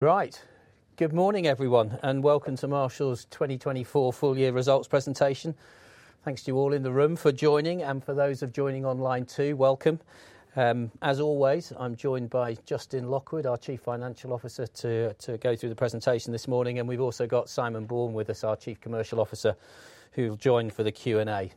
Right, good morning everyone, and welcome to Marshalls' 2024 full-year results presentation. Thanks to you all in the room for joining, and for those joining online too, welcome. As always, I'm joined by Justin Lockwood, our Chief Financial Officer, to go through the presentation this morning, and we have also got Simon Bourne with us, our Chief Commercial Officer, who will join for the Q&A.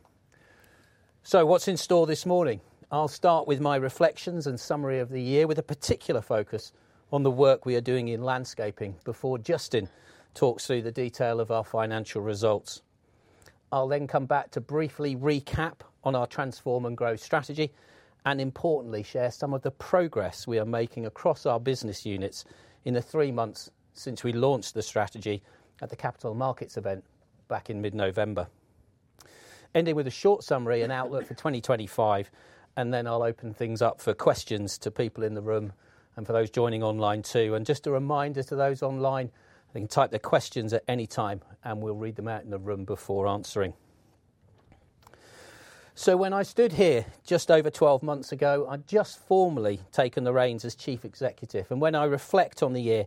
What is in store this morning? I will start with my reflections and summary of the year, with a particular focus on the work we are doing in landscaping before Justin talks through the detail of our financial results. I will then come back to briefly recap on our transform and grow strategy, and importantly, share some of the progress we are making across our business units in the three months since we launched the strategy at the Capital Markets event back in mid-November. Ending with a short summary and outlook for 2025, then I'll open things up for questions to people in the room and for those joining online too. Just a reminder to those online, they can type their questions at any time, and we'll read them out in the room before answering. When I stood here just over 12 months ago, I'd just formally taken the reins as Chief Executive, and when I reflect on the year,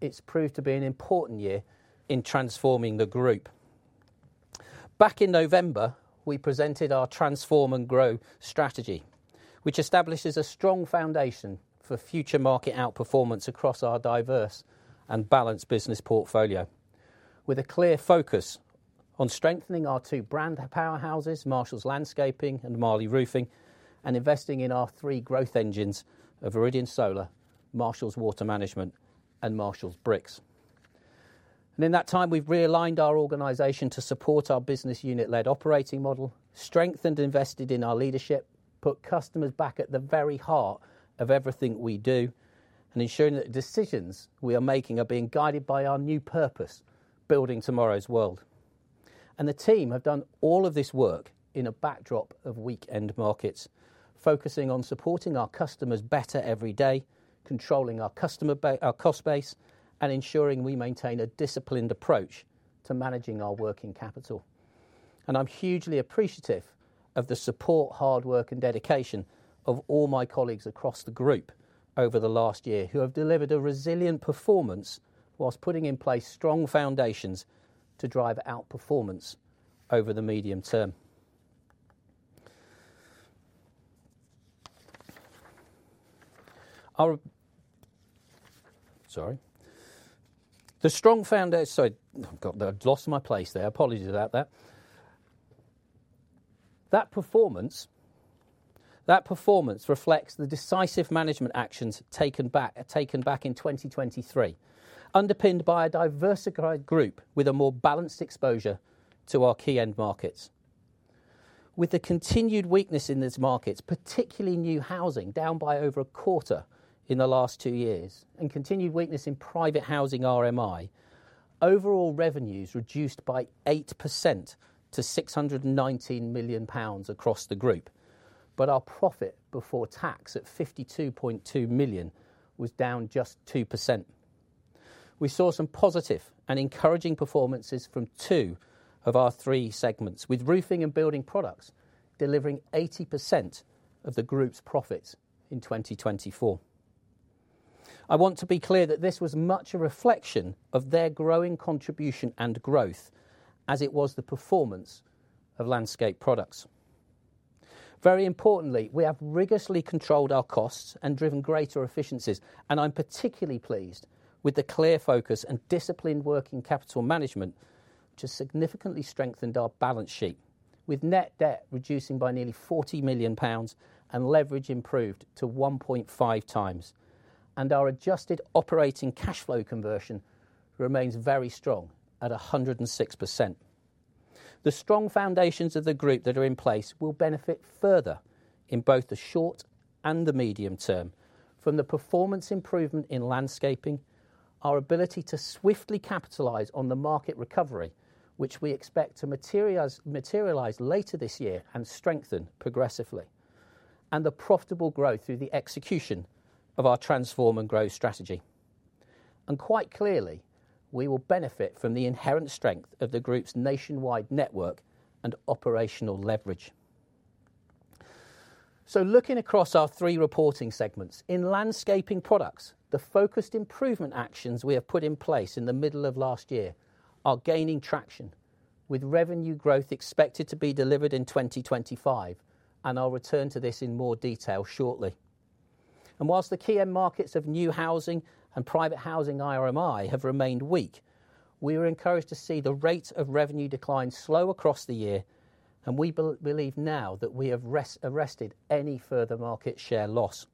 it's proved to be an important year in transforming the group. Back in November, we presented our transform and growth strategy, which establishes a strong foundation for future market outperformance across our diverse and balanced business portfolio, with a clear focus on strengthening our two brand powerhouses, Marshalls Landscaping and Marley Roofing, and investing in our three growth engines of Viridian Solar, Marshalls Water Management, and Marshalls Bricks. In that time, we've realigned our organization to support our business unit-led operating model, strengthened and invested in our leadership, put customers back at the very heart of everything we do, and ensured that the decisions we are making are being guided by our new purpose: building tomorrow's world. The team have done all of this work in a backdrop of weakened markets, focusing on supporting our customers better every day, controlling our cost base, and ensuring we maintain a disciplined approach to managing our working capital. I'm hugely appreciative of the support, hard work, and dedication of all my colleagues across the group over the last year who have delivered a resilient performance whilst putting in place strong foundations to drive outperformance over the medium term. Sorry. The strong foundation—sorry, I've lost my place there, apologies about that. That performance reflects the decisive management actions taken back in 2023, underpinned by a diversified group with a more balanced exposure to our key end markets. With the continued weakness in these markets, particularly new housing, down by over a quarter in the last two years, and continued weakness in private housing RMI, overall revenues reduced by 8% to 619 million pounds across the group, but our profit before tax at 52.2 million was down just 2%. We saw some positive and encouraging performances from two of our three segments, with roofing and building products delivering 80% of the group's profits in 2024. I want to be clear that this was much a reflection of their growing contribution and growth, as it was the performance of landscape products. Very importantly, we have rigorously controlled our costs and driven greater efficiencies, and I'm particularly pleased with the clear focus and disciplined work in capital management, which has significantly strengthened our balance sheet, with net debt reducing by nearly 40 million pounds and leverage improved to 1.5 times, and our adjusted operating cash flow conversion remains very strong at 106%. The strong foundations of the group that are in place will benefit further in both the short and the medium term from the performance improvement in landscaping, our ability to swiftly capitalise on the market recovery, which we expect to materialise later this year and strengthen progressively, and the profitable growth through the execution of our transform and grow strategy. Quite clearly, we will benefit from the inherent strength of the group's nationwide network and operational leverage. Looking across our three reporting segments, in Landscaping Products, the focused improvement actions we have put in place in the middle of last year are gaining traction, with revenue growth expected to be delivered in 2025. I will return to this in more detail shortly. Whilst the key end markets of new housing and private housing RMI have remained weak, we are encouraged to see the rate of revenue decline slow across the year, and we believe now that we have arrested any further market share loss.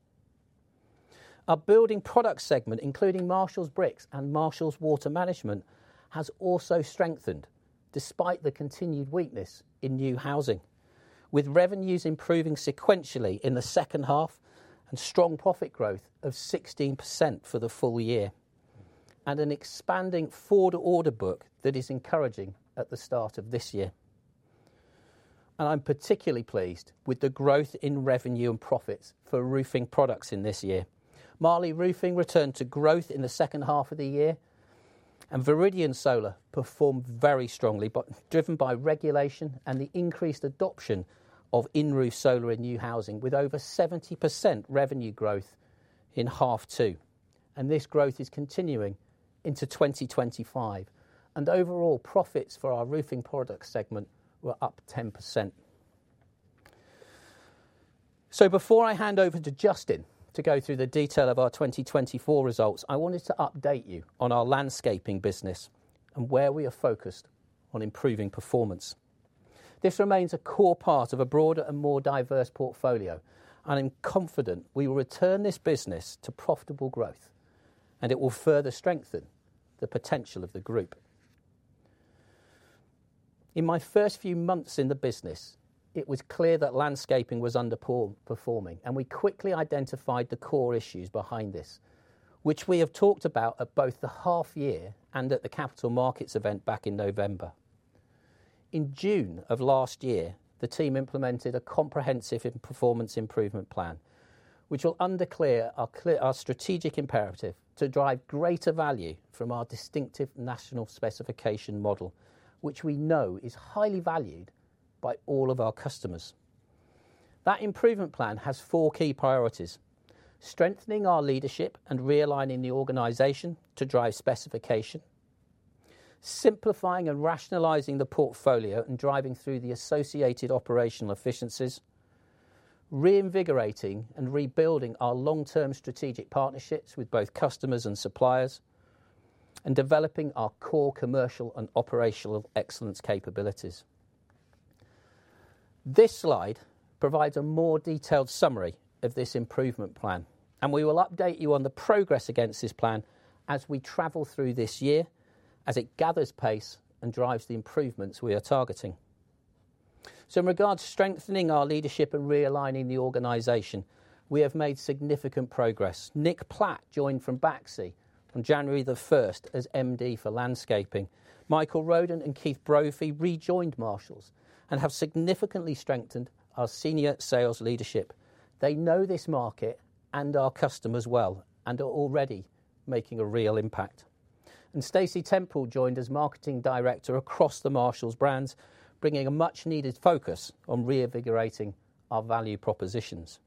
Our Building Products segment, including Marshalls Bricks and Marshalls Water Management, has also strengthened despite the continued weakness in new housing, with revenues improving sequentially in the second half and strong profit growth of 16% for the full year, and an expanding forward order book that is encouraging at the start of this year. I am particularly pleased with the growth in revenue and profits for roofing products in this year. Marley Roofing returned to growth in the second half of the year, and Viridian Solar performed very strongly, driven by regulation and the increased adoption of in-roof solar in new housing, with over 70% revenue growth in half two. This growth is continuing into 2025, and overall profits for our roofing product segment were up 10%. Before I hand over to Justin to go through the detail of our 2024 results, I wanted to update you on our landscaping business and where we are focused on improving performance. This remains a core part of a broader and more diverse portfolio, and I am confident we will return this business to profitable growth, and it will further strengthen the potential of the group. In my first few months in the business, it was clear that landscaping was underperforming, and we quickly identified the core issues behind this, which we have talked about at both the half year and at the Capital Markets event back in November. In June of last year, the team implemented a comprehensive performance improvement plan, which will underpin our strategic imperative to drive greater value from our distinctive national specification model, which we know is highly valued by all of our customers. That improvement plan has four key priorities: strengthening our leadership and realigning the organization to drive specification, simplifying and rationalizing the portfolio and driving through the associated operational efficiencies, reinvigorating and rebuilding our long-term strategic partnerships with both customers and suppliers, and developing our core commercial and operational excellence capabilities. This slide provides a more detailed summary of this improvement plan, and we will update you on the progress against this plan as we travel through this year, as it gathers pace and drives the improvements we are targeting. In regards to strengthening our leadership and realigning the organization, we have made significant progress. Nick Platt joined from Baxi on January the 1st as MD for landscaping. Michael Rodden and Keith Brophy rejoined Marshalls and have significantly strengthened our senior sales leadership. They know this market and our customers well and are already making a real impact. Stacy Temple joined as Marketing Director across the Marshalls brands, bringing a much-needed focus on reinvigorating our value propositions.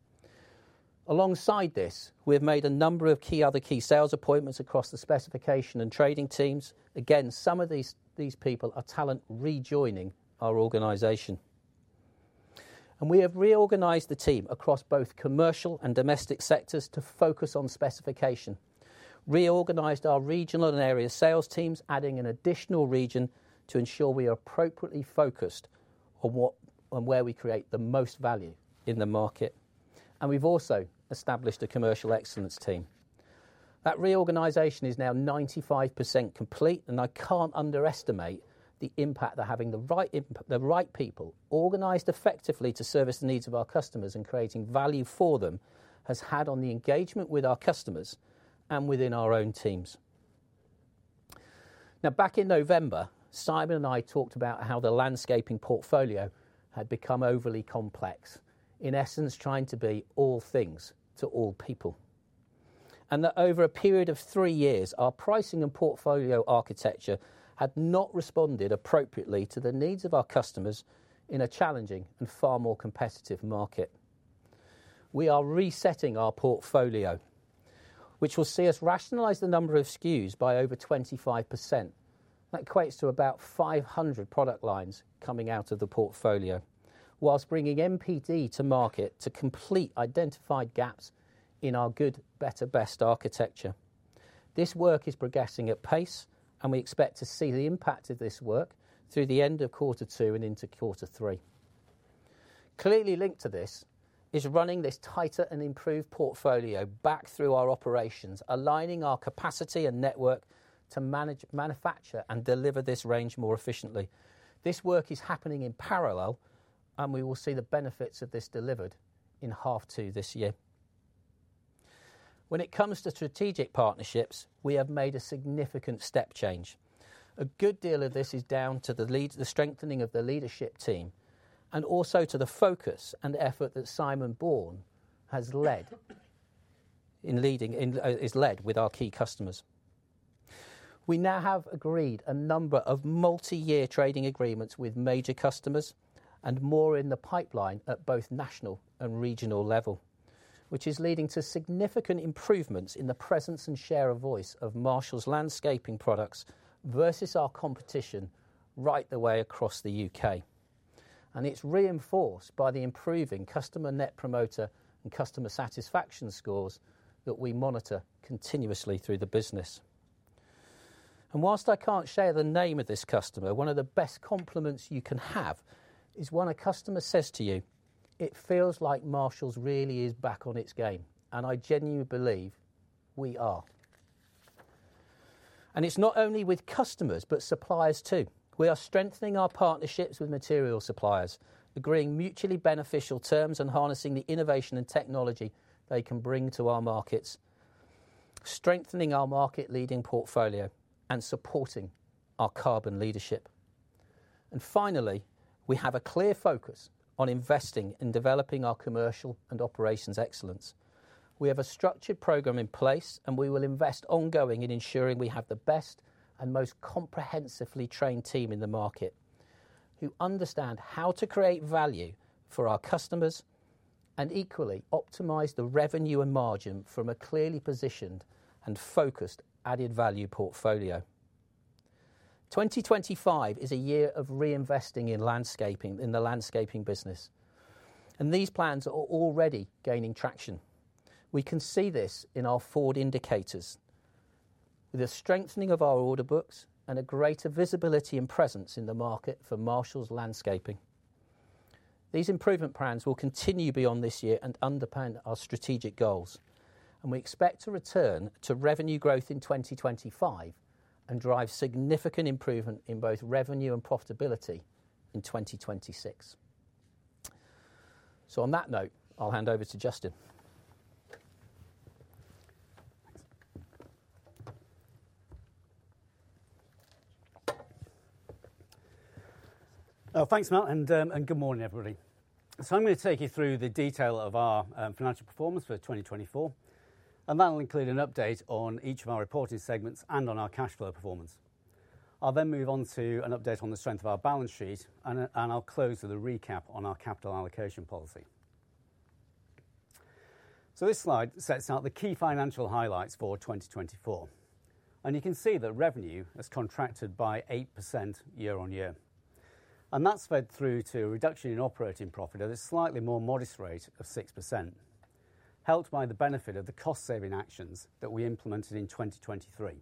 Alongside this, we have made a number of other key sales appointments across the specification and trading teams. Again, some of these people are actually rejoining our organization. We have reorganized the team across both commercial and domestic sectors to focus on specification, reorganized our regional and area sales teams, adding an additional region to ensure we are appropriately focused on where we create the most value in the market. We have also established a commercial excellence team. That reorganization is now 95% complete, and I cannot underestimate the impact that having the right people organized effectively to service the needs of our customers and creating value for them has had on the engagement with our customers and within our own teams. Back in November, Simon and I talked about how the landscaping portfolio had become overly complex, in essence trying to be all things to all people. Over a period of three years, our pricing and portfolio architecture had not responded appropriately to the needs of our customers in a challenging and far more competitive market. We are resetting our portfolio, which will see us rationalize the number of SKUs by over 25%. That equates to about 500 product lines coming out of the portfolio, whilst bringing MPD to market to complete identified gaps in our good, better, best architecture. This work is progressing at pace, and we expect to see the impact of this work through the end of quarter two and into quarter three. Clearly linked to this is running this tighter and improved portfolio back through our operations, aligning our capacity and network to manage, manufacture, and deliver this range more efficiently. This work is happening in parallel, and we will see the benefits of this delivered in half two this year. When it comes to strategic partnerships, we have made a significant step change. A good deal of this is down to the strengthening of the leadership team and also to the focus and effort that Simon Bourne has led with our key customers. We now have agreed a number of multi-year trading agreements with major customers and more in the pipeline at both national and regional level, which is leading to significant improvements in the presence and share of voice of Marshalls Landscaping Products versus our competition right the way across the U.K. It is reinforced by the improving customer net promoter and customer satisfaction scores that we monitor continuously through the business. Whilst I can't share the name of this customer, one of the best compliments you can have is when a customer says to you, "It feels like Marshalls really is back on its game," and I genuinely believe we are. It is not only with customers, but suppliers too. We are strengthening our partnerships with material suppliers, agreeing mutually beneficial terms and harnessing the innovation and technology they can bring to our markets, strengthening our market leading portfolio and supporting our carbon leadership. Finally, we have a clear focus on investing in developing our commercial and operations excellence. We have a structured program in place, and we will invest ongoing in ensuring we have the best and most comprehensively trained team in the market who understand how to create value for our customers and equally optimize the revenue and margin from a clearly positioned and focused added value portfolio. 2025 is a year of reinvesting in the landscaping business, and these plans are already gaining traction. We can see this in our forward indicators, with a strengthening of our order books and a greater visibility and presence in the market for Marshalls Landscaping. These improvement plans will continue beyond this year and underpin our strategic goals, and we expect to return to revenue growth in 2025 and drive significant improvement in both revenue and profitability in 2026. On that note, I'll hand over to Justin. Thanks, Matt, and good morning, everybody. I'm going to take you through the detail of our financial performance for 2024, and that will include an update on each of our reporting segments and on our cash flow performance. I'll then move on to an update on the strength of our balance sheet, and I'll close with a recap on our capital allocation policy. This slide sets out the key financial highlights for 2024, and you can see that revenue has contracted by 8% year on year, and that's fed through to a reduction in operating profit at a slightly more modest rate of 6%, helped by the benefit of the cost-saving actions that we implemented in 2023.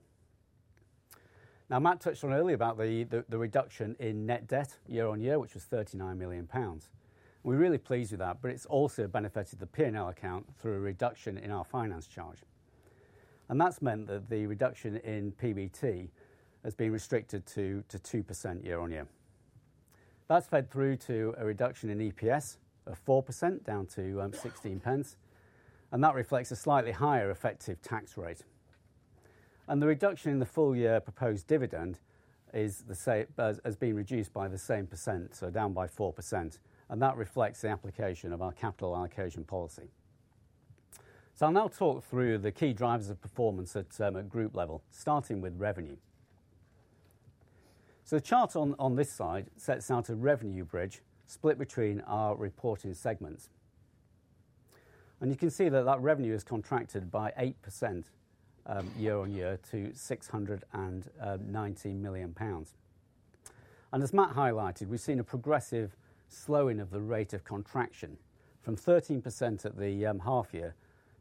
Matt touched on earlier about the reduction in net debt year on year, which was 39 million pounds. We're really pleased with that, but it's also benefited the P&L account through a reduction in our finance charge. That has meant that the reduction in PBT has been restricted to 2% year on year. That has fed through to a reduction in EPS of 4%, down to 16 pence, and that reflects a slightly higher effective tax rate. The reduction in the full year proposed dividend has been reduced by the same percent, so down by 4%, and that reflects the application of our capital allocation policy. I will now talk through the key drivers of performance at a group level, starting with revenue. The chart on this side sets out a revenue bridge split between our reporting segments. You can see that revenue has contracted by 8% year on year to 690 million pounds. As Matt highlighted, we have seen a progressive slowing of the rate of contraction from 13% at the half year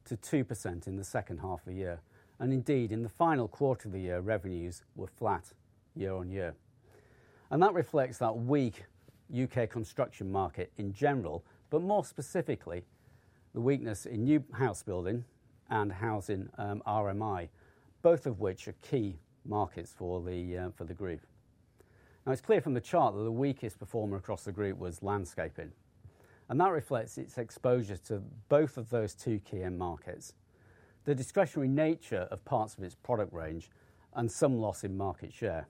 to 2% in the second half of the year. Indeed, in the final quarter of the year, revenues were flat year on year. That reflects that weak U.K. construction market in general, but more specifically, the weakness in new house building and housing RMI, both of which are key markets for the group. Now, it is clear from the chart that the weakest performer across the group was landscaping, and that reflects its exposure to both of those two key end markets, the discretionary nature of parts of its product range, and some loss in market share.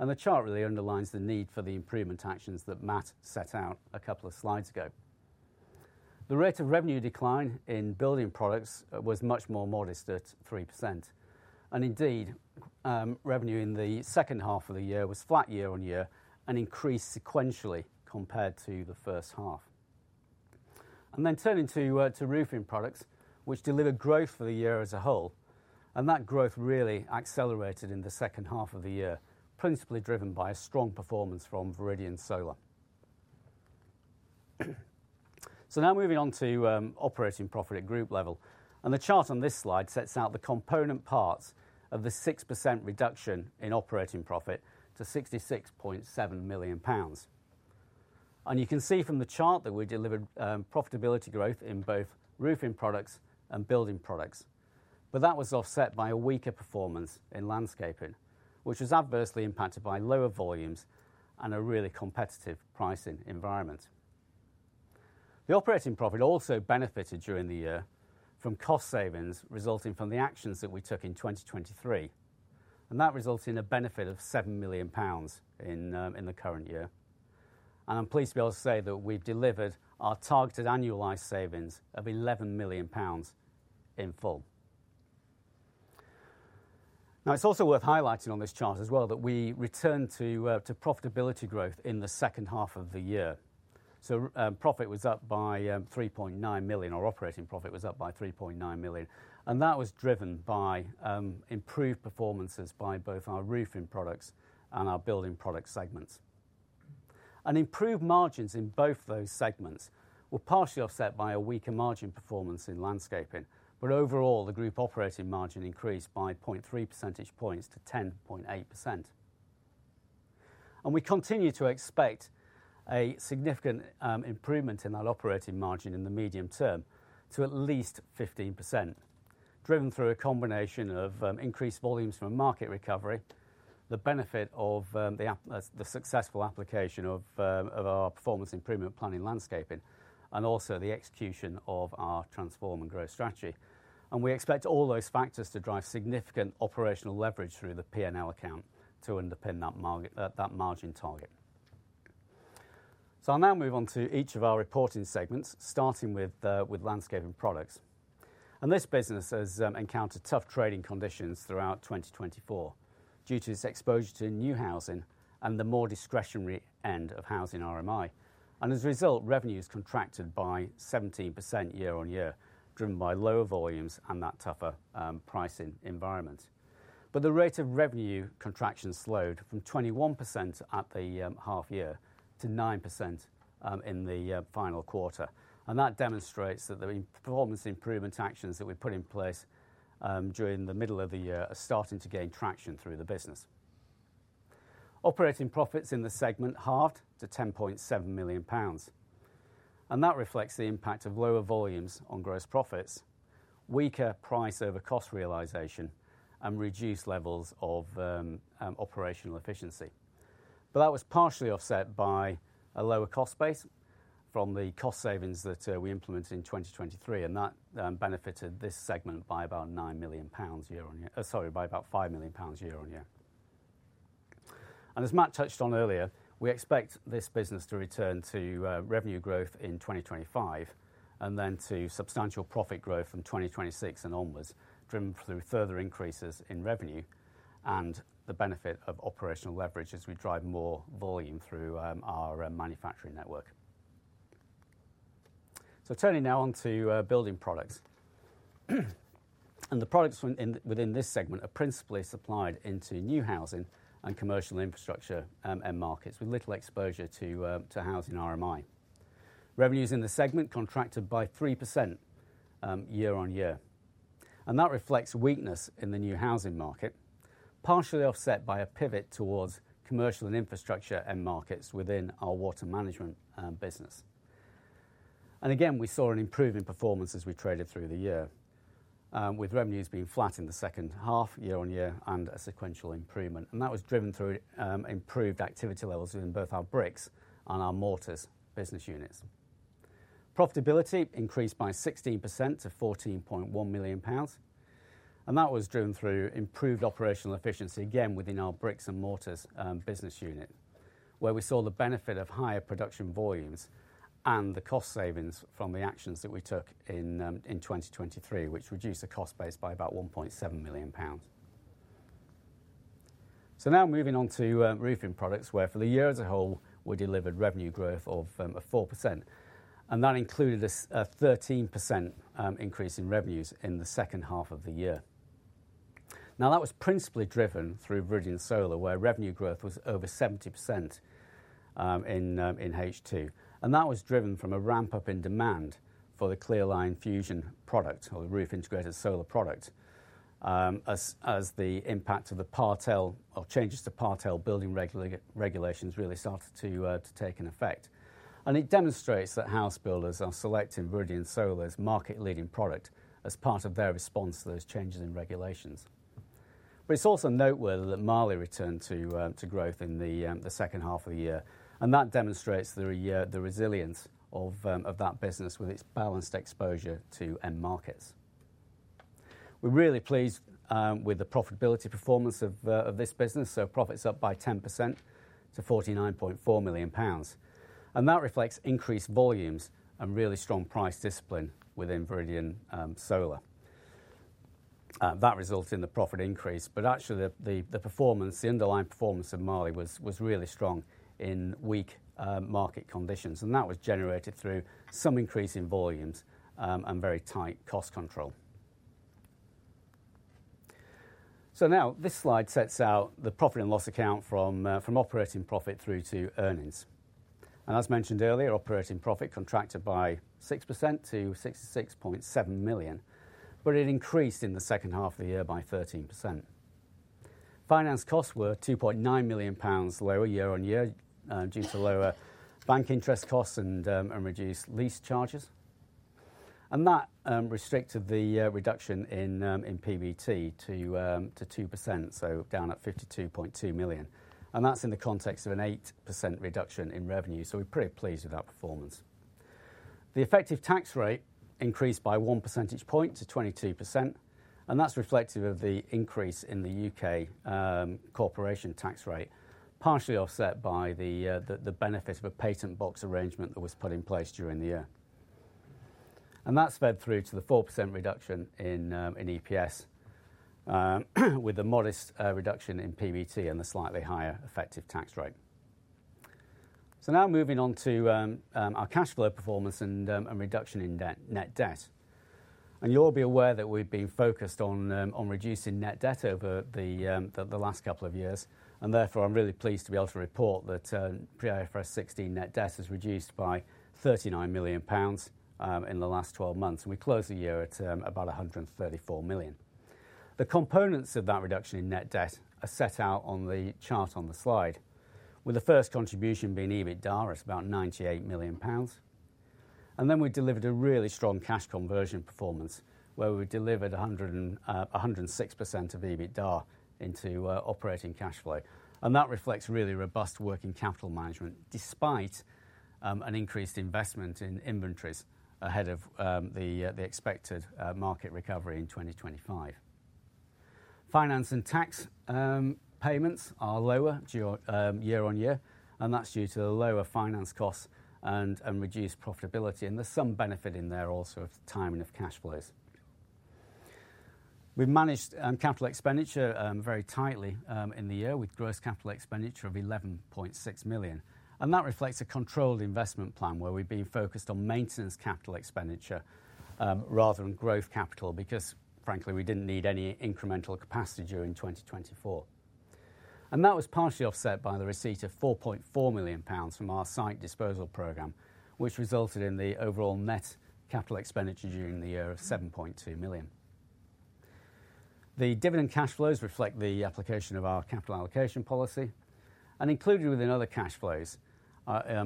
The chart really underlines the need for the improvement actions that Matt set out a couple of slides ago. The rate of revenue decline in building products was much more modest at 3%, and indeed, revenue in the second half of the year was flat year on year and increased sequentially compared to the first half. Turning to roofing products, which delivered growth for the year as a whole, that growth really accelerated in the second half of the year, principally driven by a strong performance from Viridian Solar. Now moving on to operating profit at group level. The chart on this slide sets out the component parts of the 6% reduction in operating profit to GBP 66.7 million. You can see from the chart that we delivered profitability growth in both roofing products and building products, but that was offset by a weaker performance in landscaping, which was adversely impacted by lower volumes and a really competitive pricing environment. The operating profit also benefited during the year from cost savings resulting from the actions that we took in 2023, and that resulted in a benefit of 7 million pounds in the current year. I'm pleased to be able to say that we've delivered our targeted annualized savings of 11 million pounds in full. It is also worth highlighting on this chart as well that we returned to profitability growth in the second half of the year. Profit was up by 3.9 million, or operating profit was up by 3.9 million, and that was driven by improved performances by both our Roofing Products and our Building Products segments. Improved margins in both those segments were partially offset by a weaker margin performance in landscaping, but overall, the group operating margin increased by 0.3 percentage points to 10.8%. We continue to expect a significant improvement in that operating margin in the medium term to at least 15%, driven through a combination of increased volumes from market recovery, the benefit of the successful application of our performance improvement plan in landscaping, and also the execution of our transform and growth strategy. We expect all those factors to drive significant operational leverage through the P&L account to underpin that margin target. I'll now move on to each of our reporting segments, starting with Landscaping Products. This business has encountered tough trading conditions throughout 2024 due to its exposure to new housing and the more discretionary end of housing RMI. As a result, revenues contracted by 17% year on year, driven by lower volumes and that tougher pricing environment. The rate of revenue contraction slowed from 21% at the half year to 9% in the final quarter. That demonstrates that the performance improvement actions that we put in place during the middle of the year are starting to gain traction through the business. Operating profits in the segment halved to 10.7 million pounds. That reflects the impact of lower volumes on gross profits, weaker price over cost realization, and reduced levels of operational efficiency. That was partially offset by a lower cost base from the cost savings that we implemented in 2023, and that benefited this segment by about 9 million pounds year on year, sorry, by about 5 million pounds year on year. As Matt touched on earlier, we expect this business to return to revenue growth in 2025 and then to substantial profit growth from 2026 and onwards, driven through further increases in revenue and the benefit of operational leverage as we drive more volume through our manufacturing network. Turning now to building products. The products within this segment are principally supplied into new housing and commercial infrastructure end markets with little exposure to housing RMI. Revenues in the segment contracted by 3% year on year. That reflects weakness in the new housing market, partially offset by a pivot towards commercial and infrastructure end markets within our water management business. Again, we saw an improving performance as we traded through the year, with revenues being flat in the second half year on year and a sequential improvement. That was driven through improved activity levels in both our bricks and our mortars business units. Profitability increased by 16% to 14.1 million pounds. That was driven through improved operational efficiency, again, within our bricks and mortars business unit, where we saw the benefit of higher production volumes and the cost savings from the actions that we took in 2023, which reduced the cost base by about 1.7 million pounds. Now moving on to roofing products, where for the year as a whole, we delivered revenue growth of 4%, and that included a 13% increase in revenues in the second half of the year. That was principally driven through Viridian Solar, where revenue growth was over 70% in H2. That was driven from a ramp-up in demand for the Clearline Fusion product or the roof integrated solar product as the impact of the Part L or changes to Part L building regulations really started to take effect. It demonstrates that house builders are selecting Viridian Solar's market-leading product as part of their response to those changes in regulations. It is also noteworthy that Marley returned to growth in the second half of the year, and that demonstrates the resilience of that business with its balanced exposure to end markets. We are really pleased with the profitability performance of this business, so profits up by 10% to 49.4 million pounds. That reflects increased volumes and really strong price discipline within Viridian Solar. That resulted in the profit increase, but actually the performance, the underlying performance of Marley was really strong in weak market conditions, and that was generated through some increase in volumes and very tight cost control. Now this slide sets out the profit and loss account from operating profit through to earnings. As mentioned earlier, operating profit contracted by 6% to 66.7 million, but it increased in the second half of the year by 13%. Finance costs were 2.9 million pounds lower year on year due to lower bank interest costs and reduced lease charges. That restricted the reduction in PBT to 2%, so down at 52.2 million. That is in the context of an 8% reduction in revenue, so we are pretty pleased with that performance. The effective tax rate increased by one percentage point to 22%, and that's reflective of the increase in the U.K. corporation tax rate, partially offset by the benefit of a patent box arrangement that was put in place during the year. That's fed through to the 4% reduction in EPS, with a modest reduction in PBT and a slightly higher effective tax rate. Now moving on to our cash flow performance and reduction in net debt. You'll be aware that we've been focused on reducing net debt over the last couple of years, and therefore I'm really pleased to be able to report that IFRS 16 net debt has reduced by 39 million pounds in the last 12 months, and we closed the year at about 134 million. The components of that reduction in net debt are set out on the chart on the slide, with the first contribution being EBITDA at about 98 million pounds. We delivered a really strong cash conversion performance, where we delivered 106% of EBITDA into operating cash flow. That reflects really robust working capital management despite an increased investment in inventories ahead of the expected market recovery in 2025. Finance and tax payments are lower year on year, and that's due to the lower finance costs and reduced profitability, and there's some benefit in there also of timing of cash flows. We've managed capital expenditure very tightly in the year with gross capital expenditure of 11.6 million. That reflects a controlled investment plan where we've been focused on maintenance capital expenditure rather than growth capital because, frankly, we didn't need any incremental capacity during 2024. That was partially offset by the receipt of 4.4 million pounds from our site disposal program, which resulted in the overall net capital expenditure during the year of 7.2 million. The dividend cash flows reflect the application of our capital allocation policy, and included within other cash flows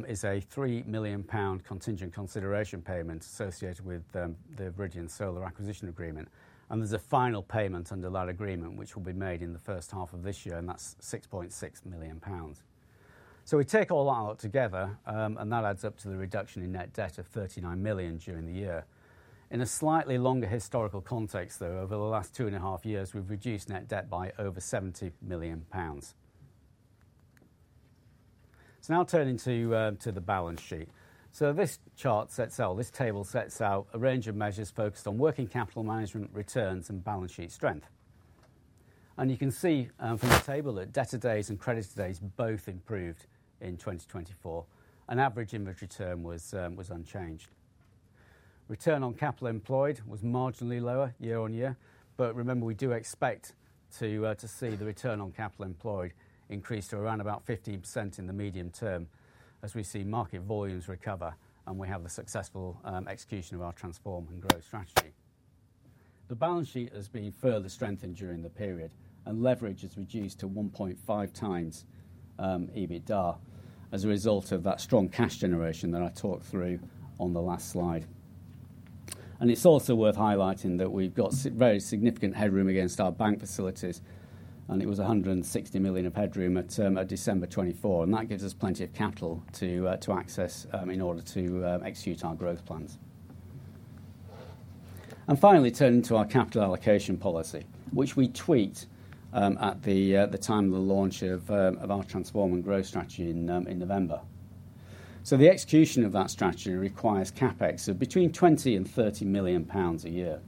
is a 3 million pound contingent consideration payment associated with the Viridian Solar acquisition agreement. There is a final payment under that agreement, which will be made in the first half of this year, and that is 6.6 million pounds. We take all that together, and that adds up to the reduction in net debt of 39 million during the year. In a slightly longer historical context, though, over the last two and a half years, we have reduced net debt by over 70 million pounds. Now turning to the balance sheet. This chart sets out, or this table sets out a range of measures focused on working capital management returns and balance sheet strength. You can see from the table that debt to days and credit to days both improved in 2024. Average inventory term was unchanged. Return on capital employed was marginally lower year on year, but remember, we do expect to see the return on capital employed increase to around about 15% in the medium term as we see market volumes recover and we have the successful execution of our transform and growth strategy. The balance sheet has been further strengthened during the period, and leverage has reduced to 1.5 times EBITDA as a result of that strong cash generation that I talked through on the last slide. It is also worth highlighting that we have very significant headroom against our bank facilities, and it was 160 million of headroom at December 2024, and that gives us plenty of capital to access in order to execute our growth plans. Finally, turning to our capital allocation policy, which we tweaked at the time of the launch of our transform and growth strategy in November. The execution of that strategy requires CapEx of between 20 million-30 million pounds a year.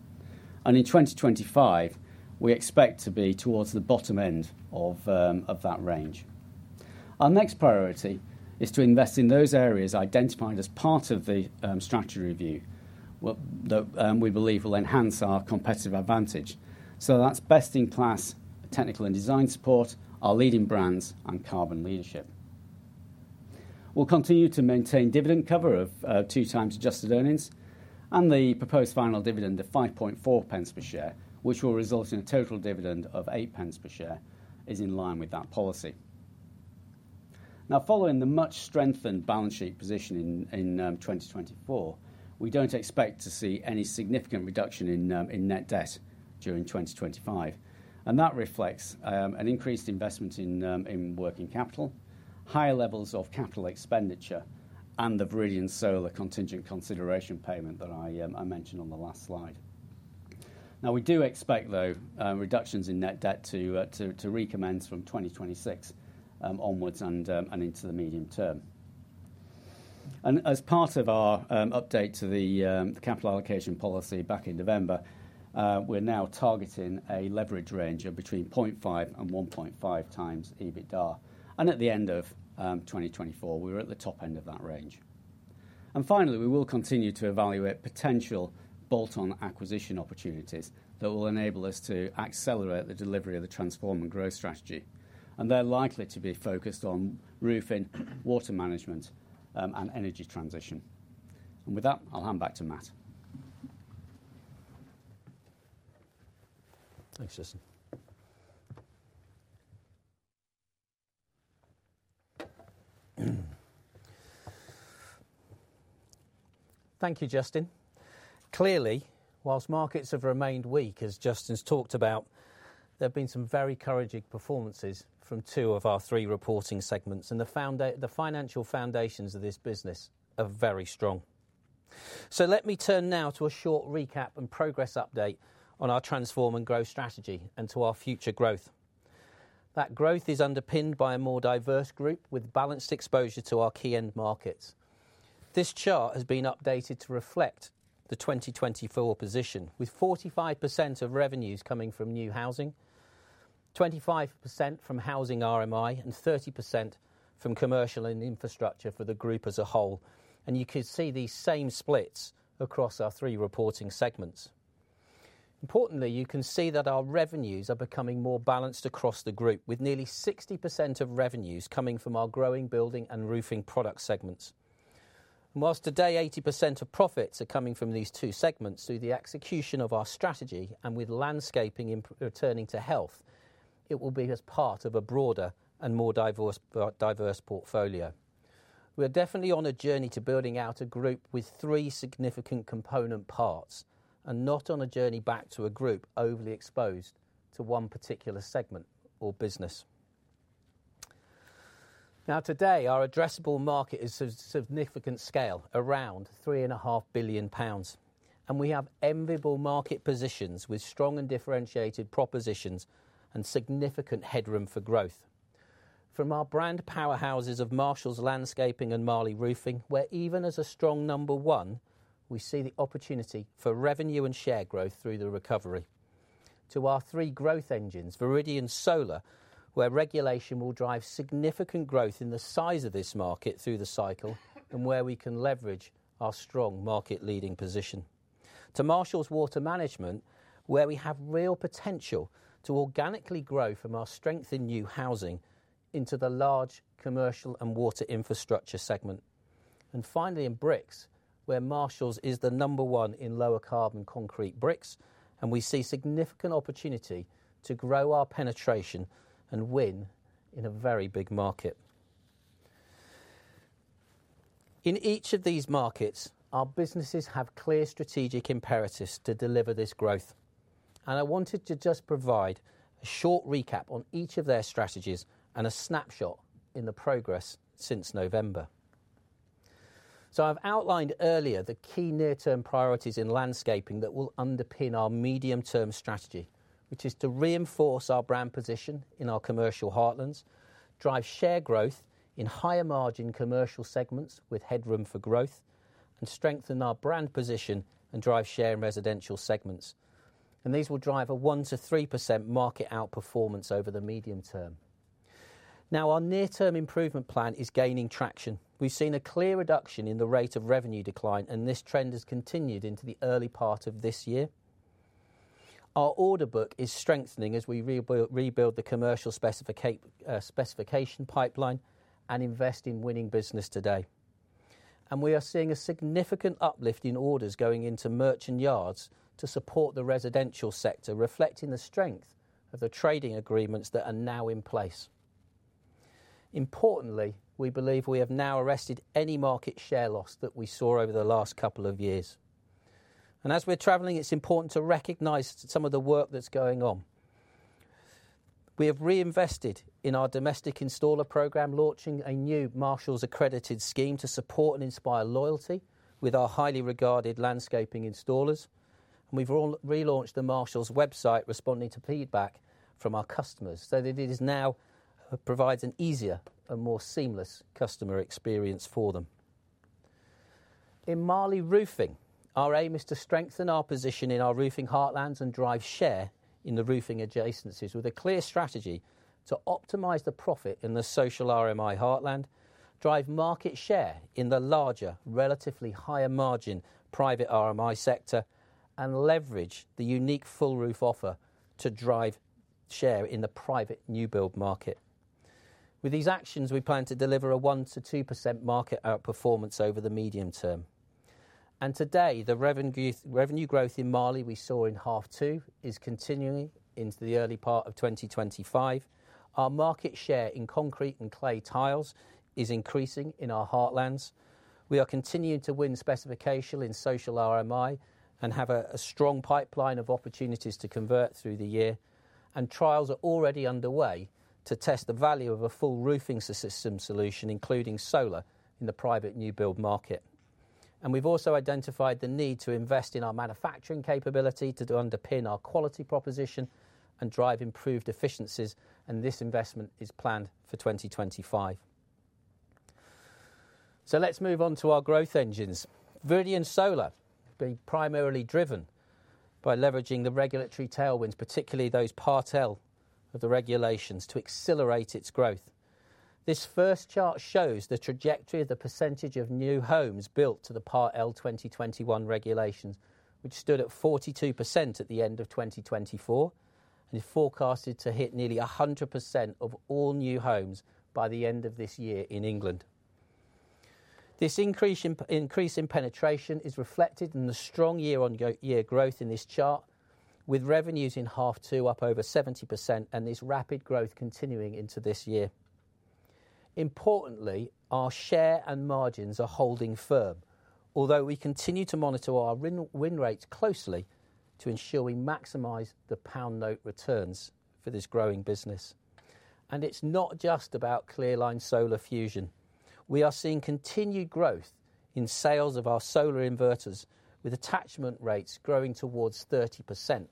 In 2025, we expect to be towards the bottom end of that range. Our next priority is to invest in those areas identified as part of the strategy review that we believe will enhance our competitive advantage. That is best-in-class technical and design support, our leading brands, and carbon leadership. We'll continue to maintain dividend cover of two times adjusted earnings, and the proposed final dividend of 5.4 per share, which will result in a total dividend of 8 per share, is in line with that policy. Now, following the much strengthened balance sheet position in 2024, we do not expect to see any significant reduction in net debt during 2025. That reflects an increased investment in working capital, higher levels of capital expenditure, and the Viridian Solar contingent consideration payment that I mentioned on the last slide. We do expect, though, reductions in net debt to recommence from 2026 onwards and into the medium term. As part of our update to the capital allocation policy back in November, we are now targeting a leverage range of between 0.5-1.5 times EBITDA. At the end of 2024, we were at the top end of that range. Finally, we will continue to evaluate potential bolt-on acquisition opportunities that will enable us to accelerate the delivery of the transform and growth strategy. They are likely to be focused on roofing, water management, and energy transition. With that, I'll hand back to Matt. Thanks, Justin. Thank you, Justin. Clearly, whilst markets have remained weak, as Justin's talked about, there have been some very courageous performances from two of our three reporting segments, and the financial foundations of this business are very strong. Let me turn now to a short recap and progress update on our transform and growth strategy and to our future growth. That growth is underpinned by a more diverse group with balanced exposure to our key end markets. This chart has been updated to reflect the 2024 position, with 45% of revenues coming from new housing, 25% from housing RMI, and 30% from commercial and infrastructure for the group as a whole. You can see these same splits across our three reporting segments. Importantly, you can see that our revenues are becoming more balanced across the group, with nearly 60% of revenues coming from our growing building and roofing product segments. Whilst today 80% of profits are coming from these two segments, through the execution of our strategy and with landscaping returning to health, it will be as part of a broader and more diverse portfolio. We are definitely on a journey to building out a group with three significant component parts and not on a journey back to a group overly exposed to one particular segment or business. Now, today, our addressable market is of significant scale, around 3.5 billion pounds, and we have enviable market positions with strong and differentiated propositions and significant headroom for growth. From our brand powerhouses of Marshalls Landscaping and Marley Roofing, where even as a strong number one, we see the opportunity for revenue and share growth through the recovery, to our three growth engines, Viridian Solar, where regulation will drive significant growth in the size of this market through the cycle and where we can leverage our strong market-leading position. To Marshalls Water Management, where we have real potential to organically grow from our strength in new housing into the large commercial and water infrastructure segment. Finally, in bricks, where Marshalls is the number one in lower carbon concrete bricks, and we see significant opportunity to grow our penetration and win in a very big market. In each of these markets, our businesses have clear strategic imperatives to deliver this growth. I wanted to just provide a short recap on each of their strategies and a snapshot in the progress since November. I have outlined earlier the key near-term priorities in landscaping that will underpin our medium-term strategy, which is to reinforce our brand position in our commercial heartlands, drive share growth in higher margin commercial segments with headroom for growth, and strengthen our brand position and drive share in residential segments. These will drive a 1-3% market outperformance over the medium term. Our near-term improvement plan is gaining traction. We have seen a clear reduction in the rate of revenue decline, and this trend has continued into the early part of this year. Our order book is strengthening as we rebuild the commercial specification pipeline and invest in winning business today. We are seeing a significant uplift in orders going into merchant yards to support the residential sector, reflecting the strength of the trading agreements that are now in place. Importantly, we believe we have now arrested any market share loss that we saw over the last couple of years. As we are traveling, it is important to recognize some of the work that is going on. We have reinvested in our domestic installer program, launching a new Marshalls-accredited scheme to support and inspire loyalty with our highly regarded landscaping installers. We have relaunched the Marshalls website, responding to feedback from our customers, so that it now provides an easier and more seamless customer experience for them. In Marley Roofing, our aim is to strengthen our position in our roofing heartlands and drive share in the roofing adjacencies with a clear strategy to optimize the profit in the social RMI heartland, drive market share in the larger, relatively higher margin private RMI sector, and leverage the unique full roof offer to drive share in the private new build market. With these actions, we plan to deliver a 1-2% market outperformance over the medium term. Today, the revenue growth in Marley we saw in half two is continuing into the early part of 2025. Our market share in concrete and clay tiles is increasing in our heartlands. We are continuing to win specification in social RMI and have a strong pipeline of opportunities to convert through the year. Trials are already underway to test the value of a full roofing system solution, including solar, in the private new build market. We have also identified the need to invest in our manufacturing capability to underpin our quality proposition and drive improved efficiencies, and this investment is planned for 2025. Let's move on to our growth engines. Viridian Solar, has been primarily driven by leveraging the regulatory tailwinds, particularly those part L of the regulations, to accelerate its growth. This first chart shows the trajectory of the percentage of new homes built to the part L 2021 regulations, which stood at 42% at the end of 2024, and is forecasted to hit nearly 100% of all new homes by the end of this year in England. This increase in penetration is reflected in the strong year-on-year growth in this chart, with revenues in half two up over 70% and this rapid growth continuing into this year. Importantly, our share and margins are holding firm, although we continue to monitor our win rates closely to ensure we maximize the pound note returns for this growing business. It is not just about Clearline Fusion. We are seeing continued growth in sales of our solar inverters, with attachment rates growing towards 30%.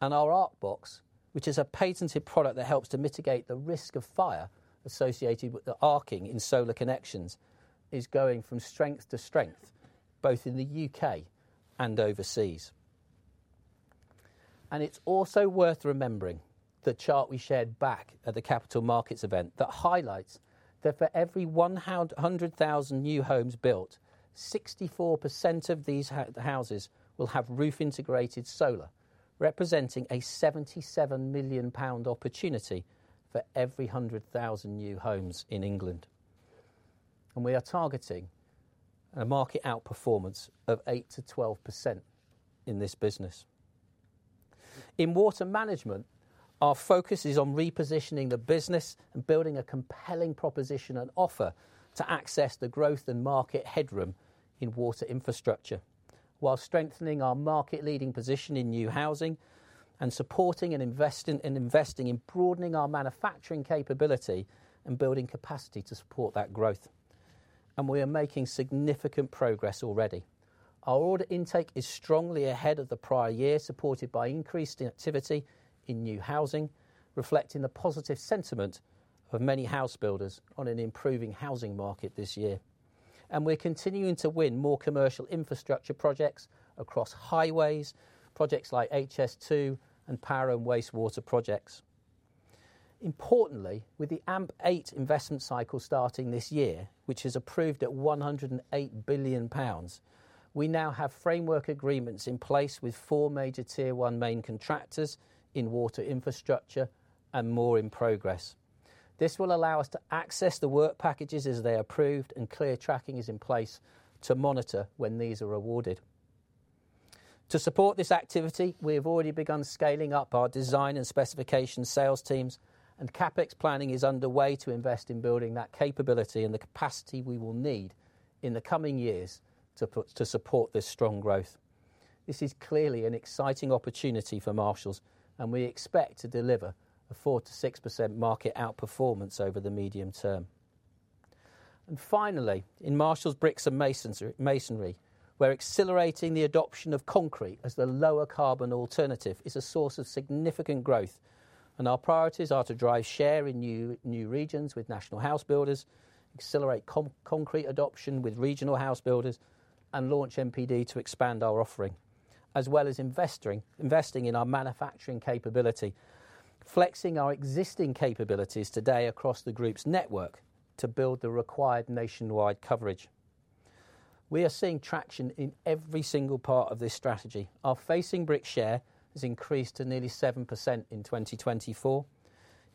Our Arcbox, which is a patented product that helps to mitigate the risk of fire associated with the arcing in solar connections, is going from strength to strength, both in the U.K. and overseas. It is also worth remembering the chart we shared back at the capital markets event that highlights that for every 100,000 new homes built, 64% of these houses will have roof-integrated solar, representing a 77 million pound opportunity for every 100,000 new homes in England. We are targeting a market outperformance of 8-12% in this business. In water management, our focus is on repositioning the business and building a compelling proposition and offer to access the growth and market headroom in water infrastructure, while strengthening our market-leading position in new housing and supporting and investing in broadening our manufacturing capability and building capacity to support that growth. We are making significant progress already. Our order intake is strongly ahead of the prior year, supported by increased activity in new housing, reflecting the positive sentiment of many house builders on an improving housing market this year. We are continuing to win more commercial infrastructure projects across highways, projects like HS2 and power and wastewater projects. Importantly, with the AMP8 investment cycle starting this year, which has been approved at 108 billion pounds, we now have framework agreements in place with four major tier one main contractors in water infrastructure and more in progress. This will allow us to access the work packages as they are approved, and clear tracking is in place to monitor when these are awarded. To support this activity, we have already begun scaling up our design and specification sales teams, and CapEx planning is underway to invest in building that capability and the capacity we will need in the coming years to support this strong growth. This is clearly an exciting opportunity for Marshalls, and we expect to deliver a 4-6% market outperformance over the medium term. Finally, in Marshalls Bricks and Masonry, we're accelerating the adoption of concrete as the lower carbon alternative. It is a source of significant growth. Our priorities are to drive share in new regions with national house builders, accelerate concrete adoption with regional house builders, and launch MPD to expand our offering, as well as investing in our manufacturing capability, flexing our existing capabilities today across the group's network to build the required nationwide coverage. We are seeing traction in every single part of this strategy. Our facing brick share has increased to nearly 7% in 2024.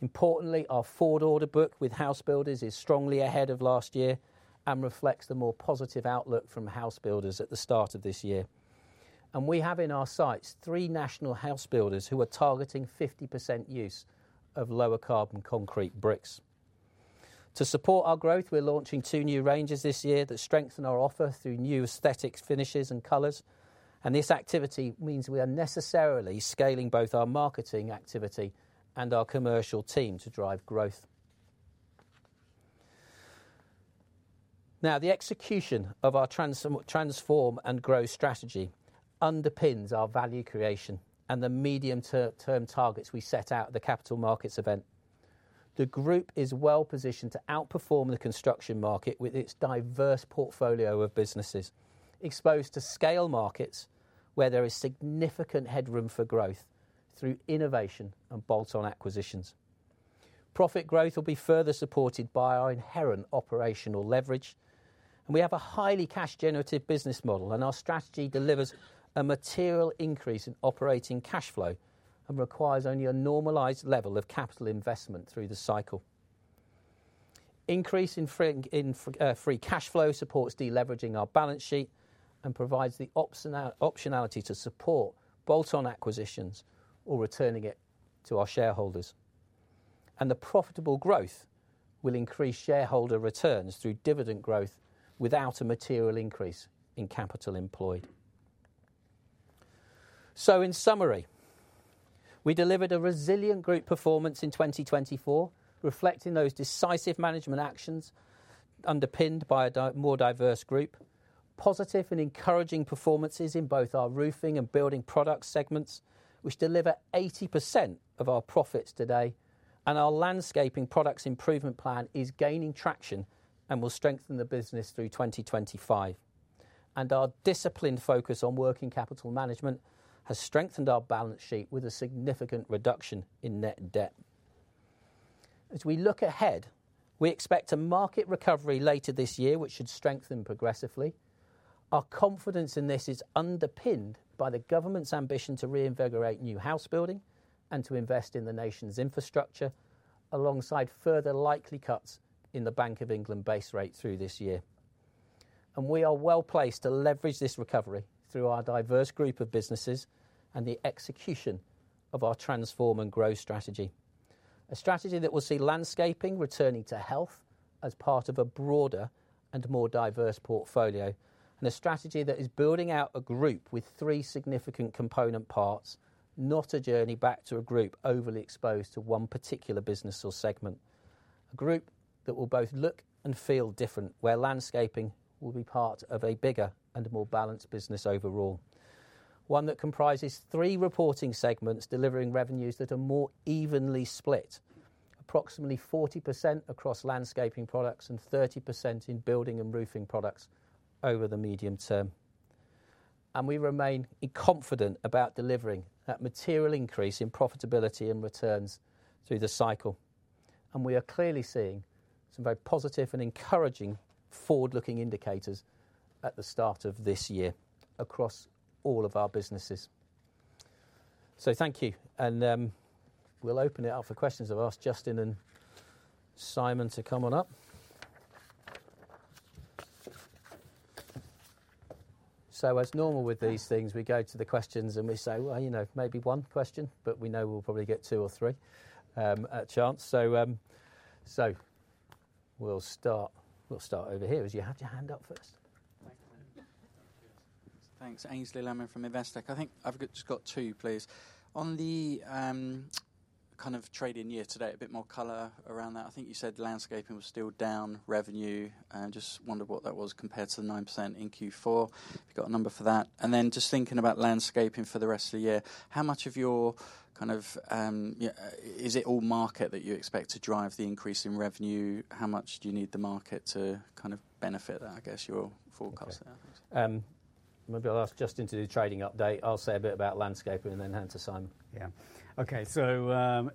Importantly, our forward order book with house builders is strongly ahead of last year and reflects the more positive outlook from house builders at the start of this year. We have in our sights three national house builders who are targeting 50% use of lower carbon concrete bricks. To support our growth, we're launching two new ranges this year that strengthen our offer through new aesthetics, finishes, and colors. This activity means we are necessarily scaling both our marketing activity and our commercial team to drive growth. The execution of our transform and growth strategy underpins our value creation and the medium-term targets we set out at the capital markets event. The group is well positioned to outperform the construction market with its diverse portfolio of businesses, exposed to scale markets where there is significant headroom for growth through innovation and bolt-on acquisitions. Profit growth will be further supported by our inherent operational leverage. We have a highly cash-generative business model, and our strategy delivers a material increase in operating cash flow and requires only a normalized level of capital investment through the cycle. Increase in free cash flow supports deleveraging our balance sheet and provides the optionality to support bolt-on acquisitions or returning it to our shareholders. The profitable growth will increase shareholder returns through dividend growth without a material increase in capital employed. In summary, we delivered a resilient group performance in 2024, reflecting those decisive management actions underpinned by a more diverse group, positive and encouraging performances in both our roofing and building product segments, which deliver 80% of our profits today. Our landscaping products improvement plan is gaining traction and will strengthen the business through 2025. Our disciplined focus on working capital management has strengthened our balance sheet with a significant reduction in net debt. As we look ahead, we expect a market recovery later this year, which should strengthen progressively. Our confidence in this is underpinned by the government's ambition to reinvigorate new house building and to invest in the nation's infrastructure, alongside further likely cuts in the Bank of England base rate through this year. We are well placed to leverage this recovery through our diverse group of businesses and the execution of our transform and growth strategy, a strategy that will see landscaping returning to health as part of a broader and more diverse portfolio, and a strategy that is building out a group with three significant component parts, not a journey back to a group overly exposed to one particular business or segment, a group that will both look and feel different, where landscaping will be part of a bigger and more balanced business overall, one that comprises three reporting segments delivering revenues that are more evenly split, approximately 40% across landscaping products and 30% in building and roofing products over the medium term. We remain confident about delivering that material increase in profitability and returns through the cycle. We are clearly seeing some very positive and encouraging forward-looking indicators at the start of this year across all of our businesses. Thank you. We'll open it up for questions. I've asked Justin and Simon to come on up. As normal with these things, we go to the questions and we say, you know, maybe one question, but we know we'll probably get two or three at chance. We'll start over here. You had your hand up first. Thanks. Ainsley Lemmon from Investec. I think I've just got two, please. On the kind of trade-in year to date, a bit more color around that. I think you said landscaping was still down revenue. I just wondered what that was compared to the 9% in Q4. We've got a number for that. Just thinking about landscaping for the rest of the year, how much of your kind of, is it all market that you expect to drive the increase in revenue? How much do you need the market to kind of benefit that, I guess, your forecast? Maybe I'll ask Justin to do the trading update. I'll say a bit about landscaping and then hand to Simon. Yeah. Okay.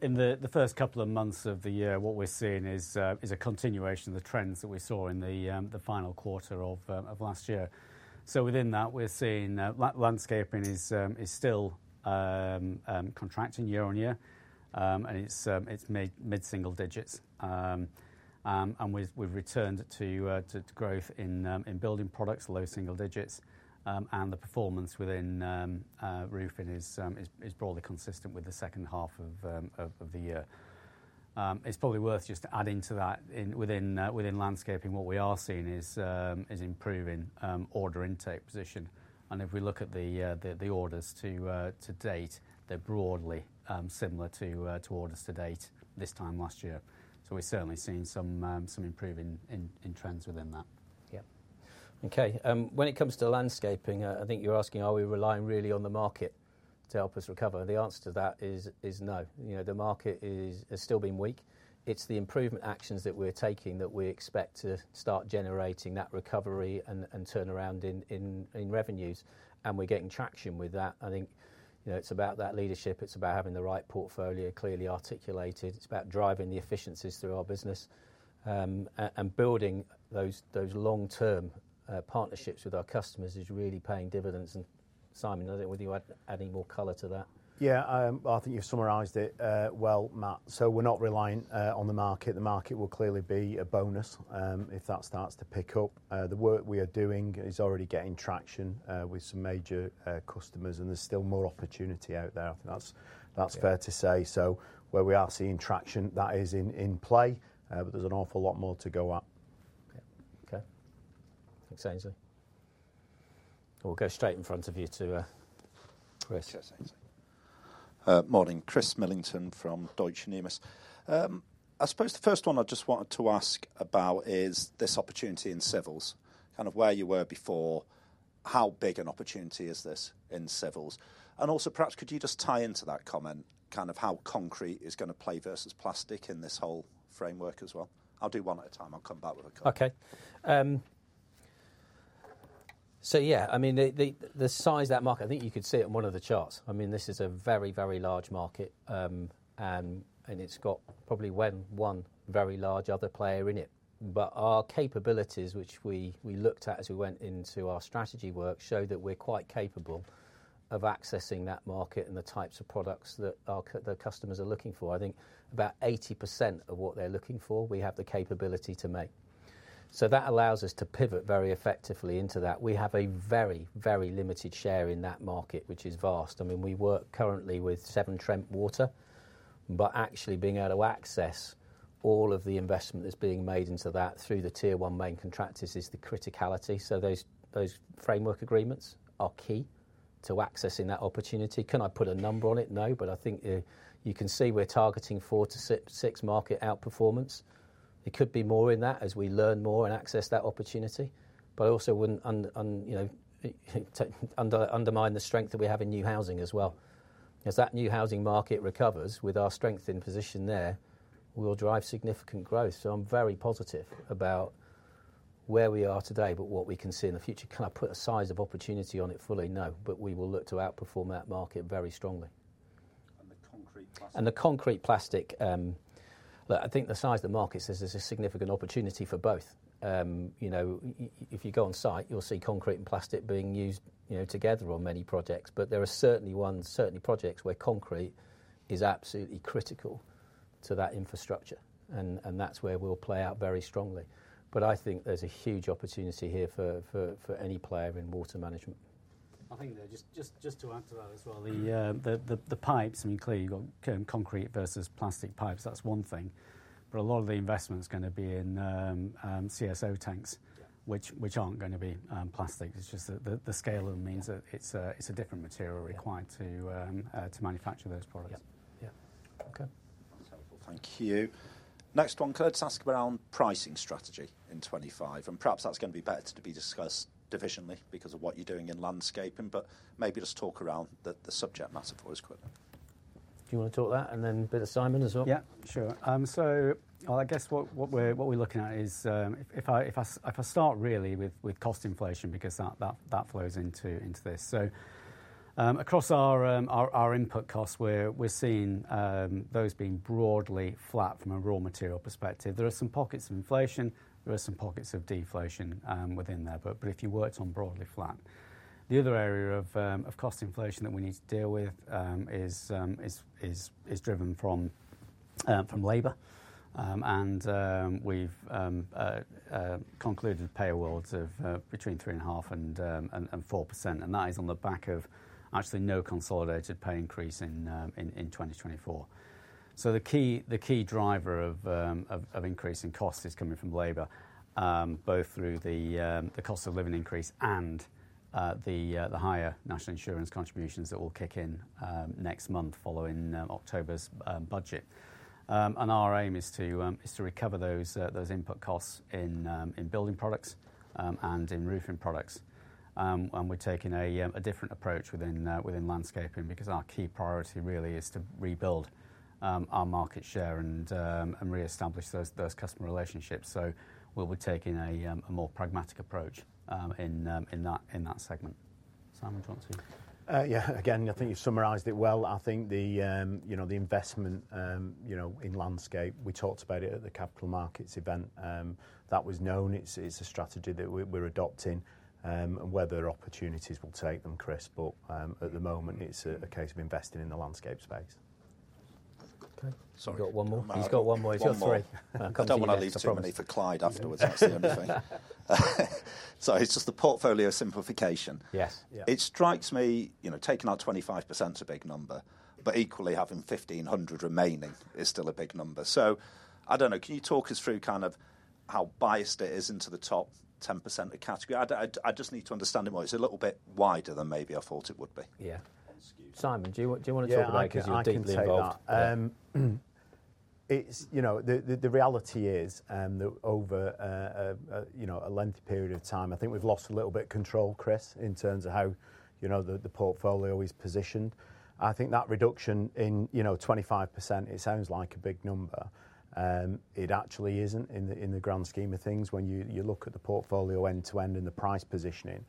In the first couple of months of the year, what we're seeing is a continuation of the trends that we saw in the final quarter of last year. Within that, we're seeing landscaping is still contracting year on year, and it's mid-single digits. We've returned to growth in building products, low single digits. The performance within roofing is broadly consistent with the second half of the year. It's probably worth just adding to that. Within landscaping, what we are seeing is improving order intake position. If we look at the orders to date, they're broadly similar to orders to date this time last year. We're certainly seeing some improving trends within that. Yeah. Okay. When it comes to landscaping, I think you're asking, are we relying really on the market to help us recover. The answer to that is no. The market has still been weak. It's the improvement actions that we're taking that we expect to start generating that recovery and turnaround in revenues. We're getting traction with that. I think it's about that leadership. It's about having the right portfolio clearly articulated. It's about driving the efficiencies through our business. Building those long-term partnerships with our customers is really paying dividends. Simon, I think with you adding more color to that. Yeah, I think you've summarized it well, Matt. We're not relying on the market. The market will clearly be a bonus if that starts to pick up. The work we are doing is already getting traction with some major customers, and there's still more opportunity out there. I think that's fair to say so. Where we are seeing traction, that is in play, but there's an awful lot more to go up. Okay. Thanks. We'll go straight in front of you to Chris. Good morning. Chris Millington from Deutsche Numis. I suppose the first one I just wanted to ask about is this opportunity in civils, kind of where you were before, how big an opportunity is this in civils? And also, perhaps could you just tie into that comment, kind of how concrete is going to play versus plastic in this whole framework as well? I'll do one at a time. I'll come back with a comment. Okay. Yeah, I mean, the size of that market, I think you could see it on one of the charts. I mean, this is a very, very large market, and it's got probably one very large other player in it. Our capabilities, which we looked at as we went into our strategy work, show that we're quite capable of accessing that market and the types of products that the customers are looking for. I think about 80% of what they're looking for, we have the capability to make. That allows us to pivot very effectively into that. We have a very, very limited share in that market, which is vast. I mean, we work currently with Severn Trent Water, but actually being able to access all of the investment that's being made into that through the tier one main contractors is the criticality. Those framework agreements are key to accessing that opportunity. Can I put a number on it? No, but I think you can see we're targeting 4%-6% market outperformance. It could be more than that as we learn more and access that opportunity, but also underline the strength that we have in new housing as well. As that new housing market recovers with our strength in position there, we'll drive significant growth. I'm very positive about where we are today, but what we can see in the future. Can I put a size of opportunity on it fully? No, but we will look to outperform that market very strongly. The concrete and plastic? The concrete and plastic, look, I think the size of the market says there's a significant opportunity for both. If you go on site, you'll see concrete and plastic being used together on many projects. There are certainly projects where concrete is absolutely critical to that infrastructure, and that's where we'll play out very strongly. I think there's a huge opportunity here for any player in water management. I think just to add to that as well, the pipes, I mean, clearly you've got concrete versus plastic pipes. That's one thing. A lot of the investment is going to be in CSO tanks, which aren't going to be plastic. It's just that the scale of them means that it's a different material required to manufacture those products. Yeah. Okay. Thank you. Next one, could I just ask around pricing strategy in 2025? And perhaps that's going to be better to be discussed divisionally because of what you're doing in landscaping, but maybe just talk around the subject matter for us quickly. I want to talk that and then a bit of Simon as well? Yeah, sure Yeah, sure. I guess what we're looking at is if I start really with cost inflation, because that flows into this. Across our input costs, we're seeing those being broadly flat from a raw material perspective. There are some pockets of inflation. There are some pockets of deflation within there, but if you worked on broadly flat. The other area of cost inflation that we need to deal with is driven from labor. We've concluded pay awards of between 3.5% and 4%. That is on the back of actually no consolidated pay increase in 2024. The key driver of increasing costs is coming from labor, both through the cost of living increase and the higher national insurance contributions that will kick in next month following October's budget. Our aim is to recover those input costs in building products and in roofing products. We're taking a different approach within landscaping because our key priority really is to rebuild our market share and reestablish those customer relationships. We'll be taking a more pragmatic approach in that segment. Simon, do you want to? Yeah. Again, I think you summarized it well. I think the investment in landscape, we talked about it at the capital markets event. That was known. It's a strategy that we're adopting and whether opportunities will take them, Chris. At the moment, it's a case of investing in the landscape space. He's got one more. He's got one more. He's got three. I don't want to leave too many for Clyde afterwards. That's the only thing. It's just the portfolio simplification. It strikes me, taking out 25% is a big number, but equally having 1,500 remaining is still a big number. I don't know, can you talk us through kind of how biased it is into the top 10% of the category? I just need to understand it more. It's a little bit wider than maybe I thought it would be. Yeah. Simon, do you want to talk about it because you're deeply involved? The reality is that over a lengthy period of time, I think we've lost a little bit of control, Chris, in terms of how the portfolio is positioned. I think that reduction in 25%, it sounds like a big number. It actually isn't in the grand scheme of things when you look at the portfolio end-to-end and the price positioning.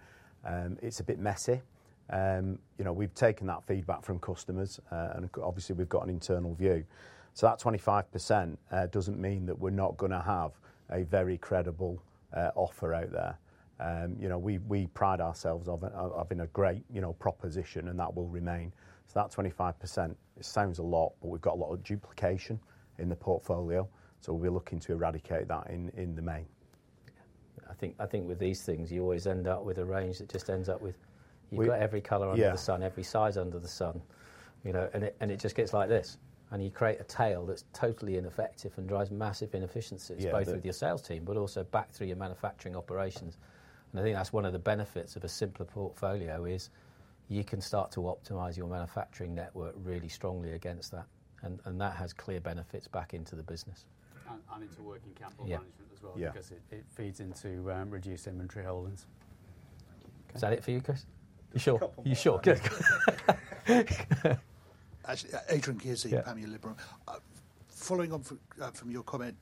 It's a bit messy. We've taken that feedback from customers, and obviously, we've got an internal view. That 25% doesn't mean that we're not going to have a very credible offer out there. We pride ourselves on having a great proposition, and that will remain. That 25%, it sounds a lot, but we've got a lot of duplication in the portfolio. We're looking to eradicate that in the main. I think with these things, you always end up with a range that just ends up with you've got every color under the sun, every size under the sun. It just gets like this. You create a tail that's totally ineffective and drives massive inefficiencies, both with your sales team, but also back through your manufacturing operations. I think that's one of the benefits of a simpler portfolio is you can start to optimize your manufacturing network really strongly against that. That has clear benefits back into the business. It feeds into working capital management as well because it feeds into reduced inventory holdings. Is that it for you, Chris? You sure? Good. Actually, Adrian Kesey, Panmure Liberum. Following on from your comment,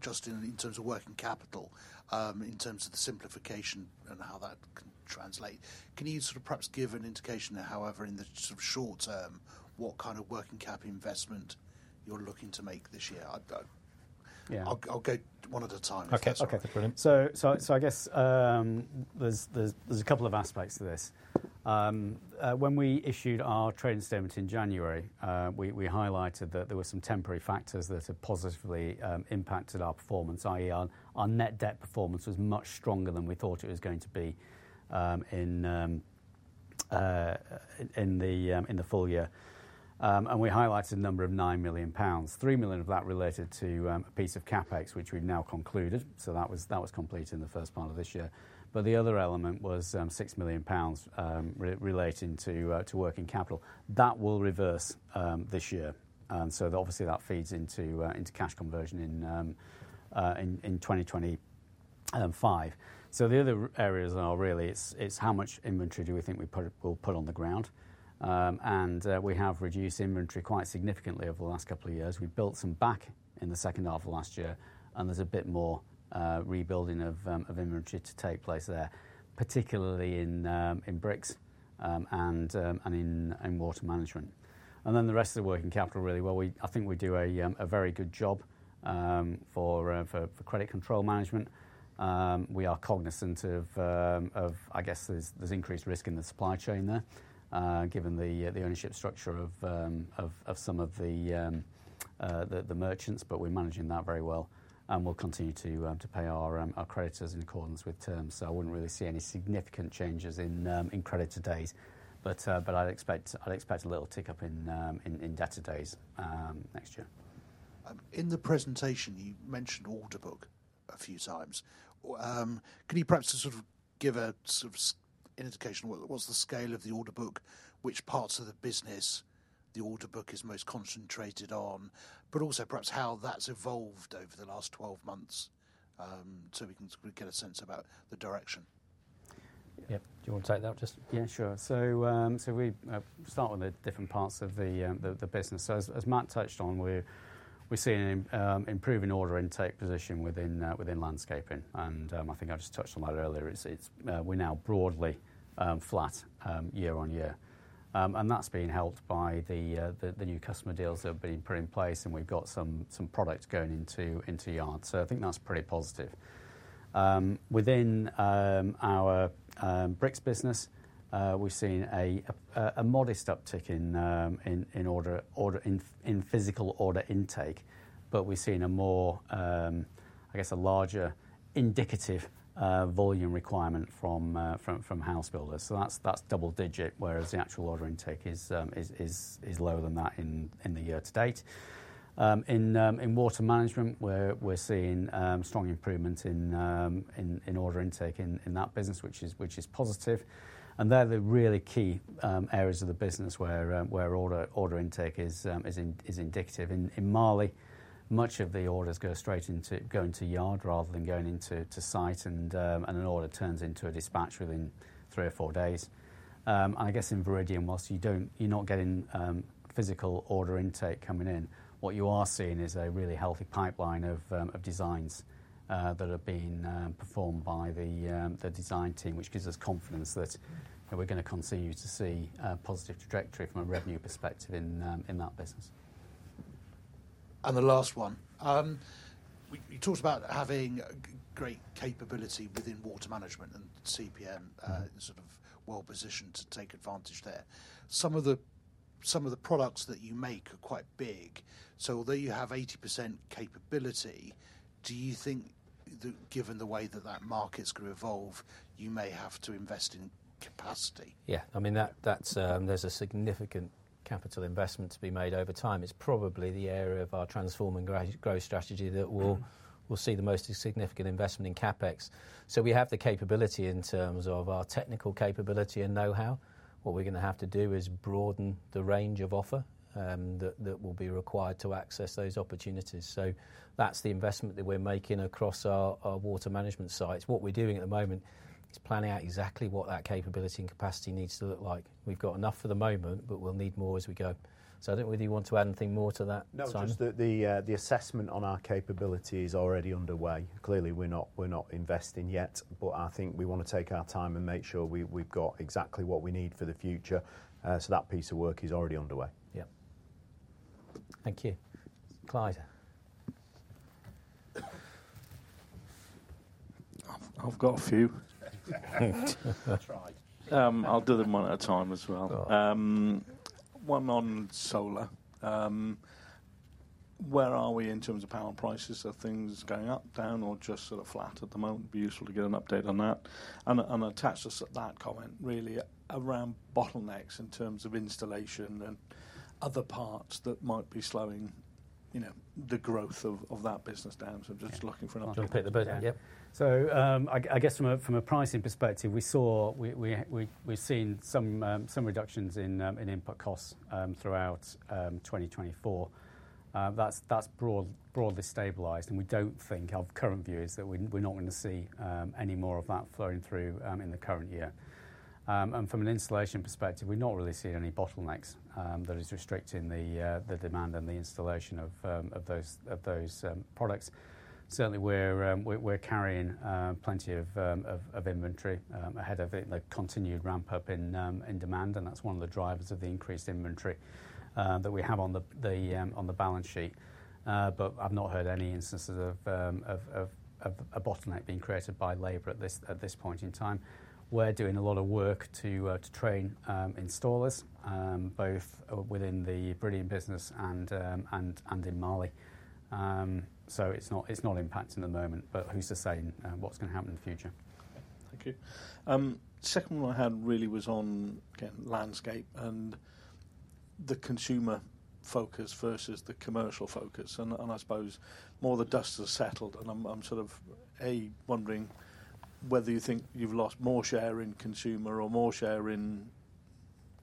Justin, in terms of working capital, in terms of the simplification and how that can translate, can you sort of perhaps give an indication of however, in the short term, what kind of working capital investment you're looking to make this year? I'll go one at a time. Okay. Okay. Brilliant. I guess there's a couple of aspects to this. When we issued our trading statement in January, we highlighted that there were some temporary factors that have positively impacted our performance, i.e., our net debt performance was much stronger than we thought it was going to be in the full year. We highlighted a number of 9 million pounds. 3 million of that related to a piece of CapEx, which we've now concluded. That was completed in the first part of this year. The other element was 6 million pounds relating to working capital. That will reverse this year. Obviously, that feeds into cash conversion in 2025. The other areas are really it's how much inventory do we think we'll put on the ground. We have reduced inventory quite significantly over the last couple of years. We built some back in the second half of last year, and there's a bit more rebuilding of inventory to take place there, particularly in bricks and in water management. The rest of the working capital really, I think we do a very good job for credit control management. We are cognizant of, I guess, there's increased risk in the supply chain there, given the ownership structure of some of the merchants, but we're managing that very well. We will continue to pay our creditors in accordance with terms. I would not really see any significant changes in creditor days. I would expect a little tick up in debtor days next year. In the presentation, you mentioned order book a few times. Can you perhaps sort of give an indication of what is the scale of the order book, which parts of the business the order book is most concentrated on, but also perhaps how that has evolved over the last 12 months so we can sort of get a sense about the direction? Yeah. Do you want to take that, Justin? Yeah, sure. We start with the different parts of the business. As Matt touched on, we're seeing an improving order intake position within landscaping. I think I just touched on that earlier. We're now broadly flat year on year. That's being helped by the new customer deals that have been put in place, and we've got some product going into yard. I think that's pretty positive. Within our bricks business, we've seen a modest uptick in physical order intake, but we've seen a more, I guess, a larger indicative volume requirement from house builders. That's double digit, whereas the actual order intake is lower than that in the year to date. In water management, we're seeing strong improvements in order intake in that business, which is positive. They're the really key areas of the business where order intake is indicative. In Marley, much of the orders go straight into yard rather than going into site, and an order turns into a dispatch within three or four days. I guess in Viridian, whilst you're not getting physical order intake coming in, what you are seeing is a really healthy pipeline of designs that are being performed by the design team, which gives us confidence that we're going to continue to see a positive trajectory from a revenue perspective in that business. The last one. You talked about having great capability within water management and CPM, sort of well positioned to take advantage there. Some of the products that you make are quite big. Although you have 80% capability, do you think that given the way that that market's going to evolve, you may have to invest in capacity? Yeah. I mean, there's a significant capital investment to be made over time. It's probably the area of our transforming growth strategy that will see the most significant investment in CapEx. We have the capability in terms of our technical capability and know-how. What we're going to have to do is broaden the range of offer that will be required to access those opportunities. That's the investment that we're making across our water management sites. What we're doing at the moment is planning out exactly what that capability and capacity need to look like. We've got enough for the moment, but we'll need more as we go. I don't know whether you want to add anything more to that, Simon. No, just the assessment on our capability is already underway. Clearly, we're not investing yet, but I think we want to take our time and make sure we've got exactly what we need for the future. That piece of work is already underway. Yeah. Thank you, Clyde. I've got a few. I'll do them one at a time as well. One on solar. Where are we in terms of power prices? Are things going up, down, or just sort of flat at the moment? It'd be useful to get an update on that. Attach us to that comment, really, around bottlenecks in terms of installation and other parts that might be slowing the growth of that business down. I'm just looking for an update. I'm going to pick the boat. Yeah. I guess from a pricing perspective, we've seen some reductions in input costs throughout 2024. That's broadly stabilized. We don't think, our current view is that we're not going to see any more of that flowing through in the current year. From an installation perspective, we're not really seeing any bottlenecks that are restricting the demand and the installation of those products. Certainly, we're carrying plenty of inventory ahead of the continued ramp-up in demand. That's one of the drivers of the increased inventory that we have on the balance sheet. I've not heard any instances of a bottleneck being created by labor at this point in time. We're doing a lot of work to train installers, both within the Viridian business and in Marley. It's not impacting the moment, but who's to say what's going to happen in the future. Thank you. The second one I had really was on landscape and the consumer focus versus the commercial focus. I suppose more the dust has settled. I'm sort of, A, wondering whether you think you've lost more share in consumer or more share in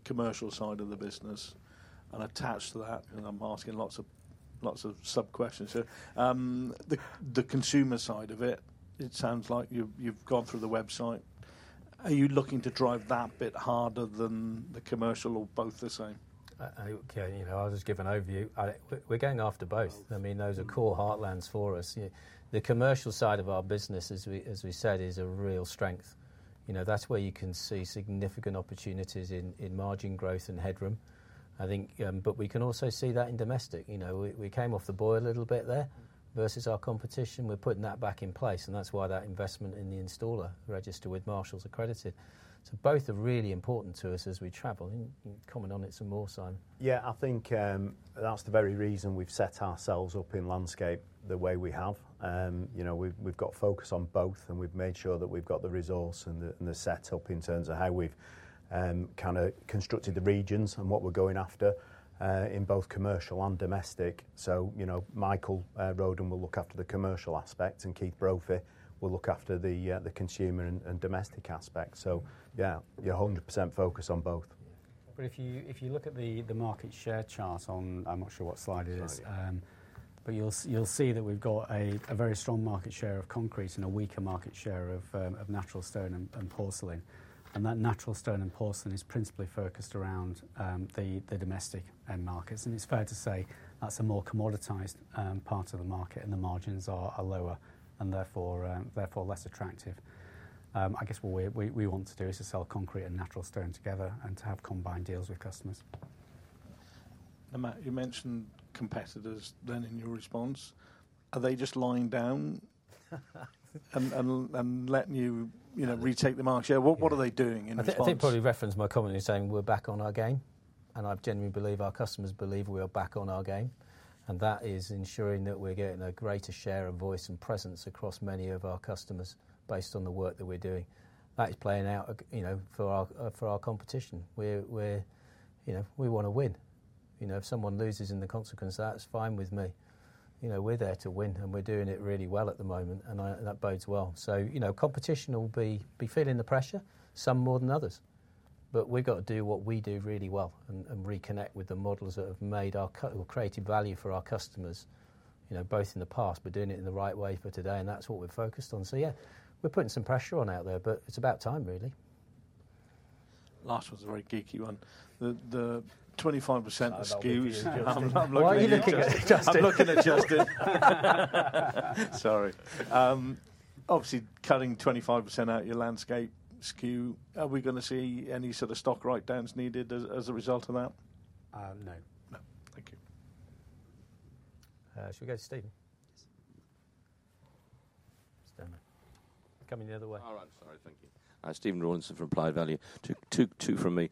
commercial side of the business. Attached to that, I'm asking lots of sub-questions. The consumer side of it, it sounds like you've gone through the website. Are you looking to drive that bit harder than the commercial or both the same? Okay. I'll just give an overview. We're going after both. I mean, those are core heartlands for us. The commercial side of our business, as we said, is a real strength. That's where you can see significant opportunities in margin growth and headroom. We can also see that in domestic. We came off the board a little bit there versus our competition. We're putting that back in place. That's why that investment in the installer register with Marshalls Accredited. Both are really important to us as we travel. Comment on it some more, Simon. Yeah. I think that's the very reason we've set ourselves up in landscape the way we have. We've got focus on both, and we've made sure that we've got the resource and the setup in terms of how we've kind of constructed the regions and what we're going after in both commercial and domestic. Michael Rodden will look after the commercial aspect, and Keith Brophy will look after the consumer and domestic aspect. Yeah, you're 100% focused on both. If you look at the market share chart on, I'm not sure what slide it is, but you'll see that we've got a very strong market share of concrete and a weaker market share of natural stone and porcelain. That natural stone and porcelain is principally focused around the domestic end markets. It's fair to say that's a more commoditized part of the market, and the margins are lower and therefore less attractive. I guess what we want to do is to sell concrete and natural stone together and to have combined deals with customers. Matt, you mentioned competitors then in your response. Are they just lying down and letting you retake the market share? What are they doing in this market? I think probably referenced my comment in saying we're back on our game. I genuinely believe our customers believe we are back on our game. That is ensuring that we're getting a greater share of voice and presence across many of our customers based on the work that we're doing. That is playing out for our competition. We want to win. If someone loses in the consequence, that's fine with me. We're there to win, and we're doing it really well at the moment. That bodes well. Competition will be feeling the pressure, some more than others. We have to do what we do really well and reconnect with the models that have made or created value for our customers, both in the past, but doing it in the right way for today. That is what we're focused on. Yeah, we're putting some pressure on out there, but it's about time, really. Last one's a very geeky one. The 25% SKUs. Why are you looking at Justin? I'm not looking at Justin. Sorry. Obviously, cutting 25% out of your landscape SKU. Are we going to see any sort of stock write-downs needed as a result of that? No. Thank you. Should we go to Stephen? Stephen. Coming the other way. All right. Sorry. Thank you. Stephen Rawlinson from Applied Value. Two from me.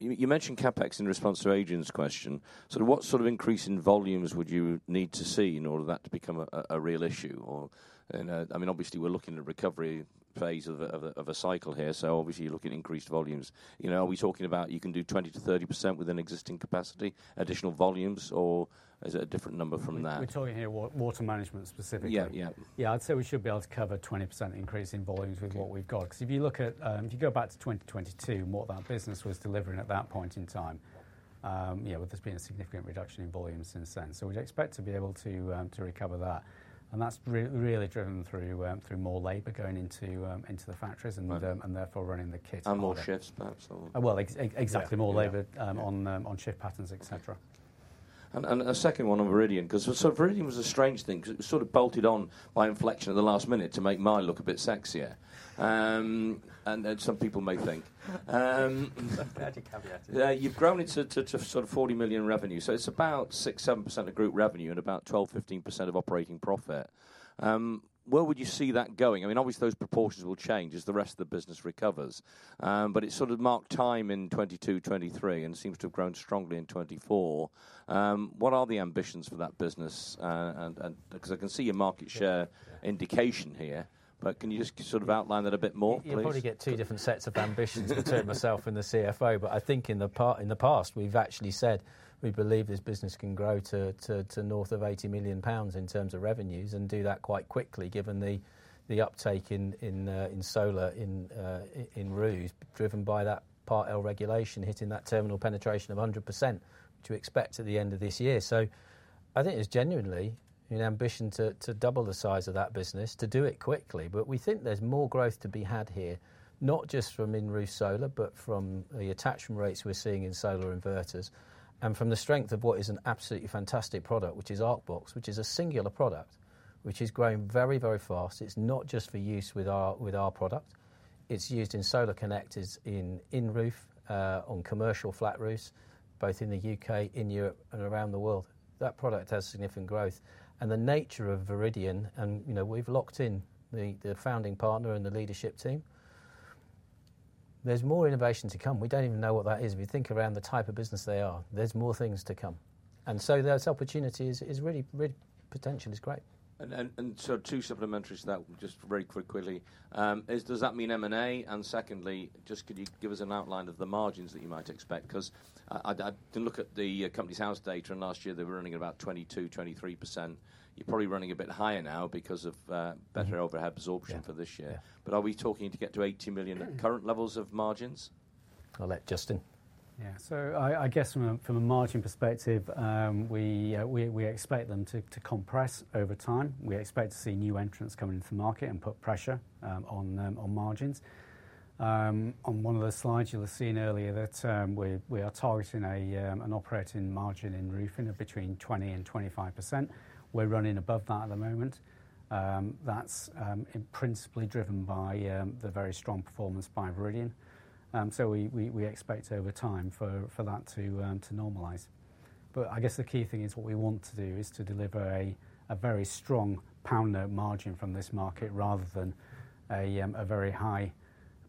You mentioned CapEx in response to Adrian's question. Sort of what sort of increase in volumes would you need to see in order for that to become a real issue? I mean, obviously, we are looking at a recovery phase of a cycle here. Obviously, you are looking at increased volumes. Are we talking about you can do 20%-30% within existing capacity, additional volumes, or is it a different number from that? We're talking here water management specifically. Yeah. Yeah. Yeah. I'd say we should be able to cover a 20% increase in volumes with what we've got. Because if you look at if you go back to 2022 and what that business was delivering at that point in time, yeah, there's been a significant reduction in volumes since then. We'd expect to be able to recover that. That's really driven through more labor going into the factories and therefore running the kit. More shifts, perhaps. Exactly. More labor on shift patterns, etc. A second one on Viridian. Because Viridian was a strange thing. It was sort of bolted on by inflection at the last minute to make mine look a bit sexier. And some people may think. You've grown it to sort of 40 million in revenue. It is about 6%-7% of group revenue and about 12%-15% of operating profit. Where would you see that going? I mean, obviously, those proportions will change as the rest of the business recovers. It sort of marked time in 2022, 2023, and seems to have grown strongly in 2024. What are the ambitions for that business? Because I can see your market share indication here. Can you just sort of outline that a bit more, please? You probably get two different sets of ambitions between myself and the CFO. I think in the past, we've actually said we believe this business can grow to north of 80 million pounds in terms of revenues and do that quite quickly, given the uptake in solar in roofs, driven by that Part L regulation hitting that terminal penetration of 100%, which we expect at the end of this year. I think there's genuinely an ambition to double the size of that business, to do it quickly. We think there's more growth to be had here, not just from in-roof solar, but from the attachment rates we're seeing in solar inverters and from the strength of what is an absolutely fantastic product, which is Arcbox, which is a singular product, which is growing very, very fast. It's not just for use with our product. It's used in solar connectors in in-roof on commercial flat roofs, both in the U.K., in Europe, and around the world. That product has significant growth. The nature of Viridian, and we've locked in the founding partner and the leadership team, there's more innovation to come. We don't even know what that is. If you think around the type of business they are, there's more things to come. That opportunity is really potentially great. Two supplementaries to that, just very quickly. Does that mean M&A? Secondly, just could you give us an outline of the margins that you might expect? Because I did look at the company's house data, and last year, they were running at about 22%-23%. You're probably running a bit higher now because of better overhead absorption for this year. Are we talking to get to 80 million at current levels of margins? I'll let Justin. Yeah. I guess from a margin perspective, we expect them to compress over time. We expect to see new entrants coming into the market and put pressure on margins. On one of the slides, you'll have seen earlier that we are targeting an operating margin in roofing of between 20% and 25%. We're running above that at the moment. That's principally driven by the very strong performance by Viridian. We expect over time for that to normalize. I guess the key thing is what we want to do is to deliver a very strong pound note margin from this market rather than a very high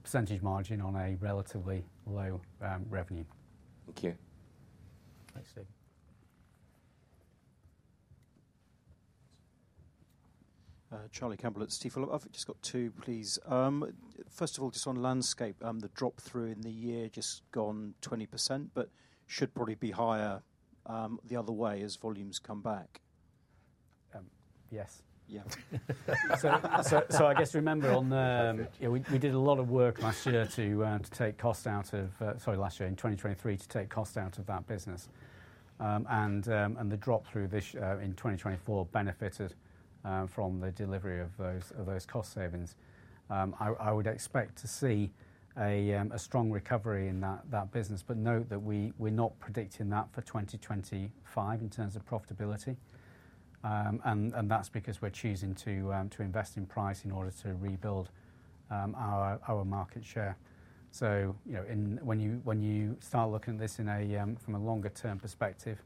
percentage margin on a relatively low revenue. Thank you. Thanks, Stephen. Charlie Campbell at Stifel. I've just got two, please. First of all, just on landscape, the drop through in the year just gone 20%, but should probably be higher the other way as volumes come back. Yes. Yeah. I guess remember we did a lot of work last year to take cost out of, sorry, last year in 2023 to take cost out of that business. The drop through this year in 2024 benefited from the delivery of those cost savings. I would expect to see a strong recovery in that business. Note that we're not predicting that for 2025 in terms of profitability. That's because we're choosing to invest in price in order to rebuild our market share. When you start looking at this from a longer-term perspective,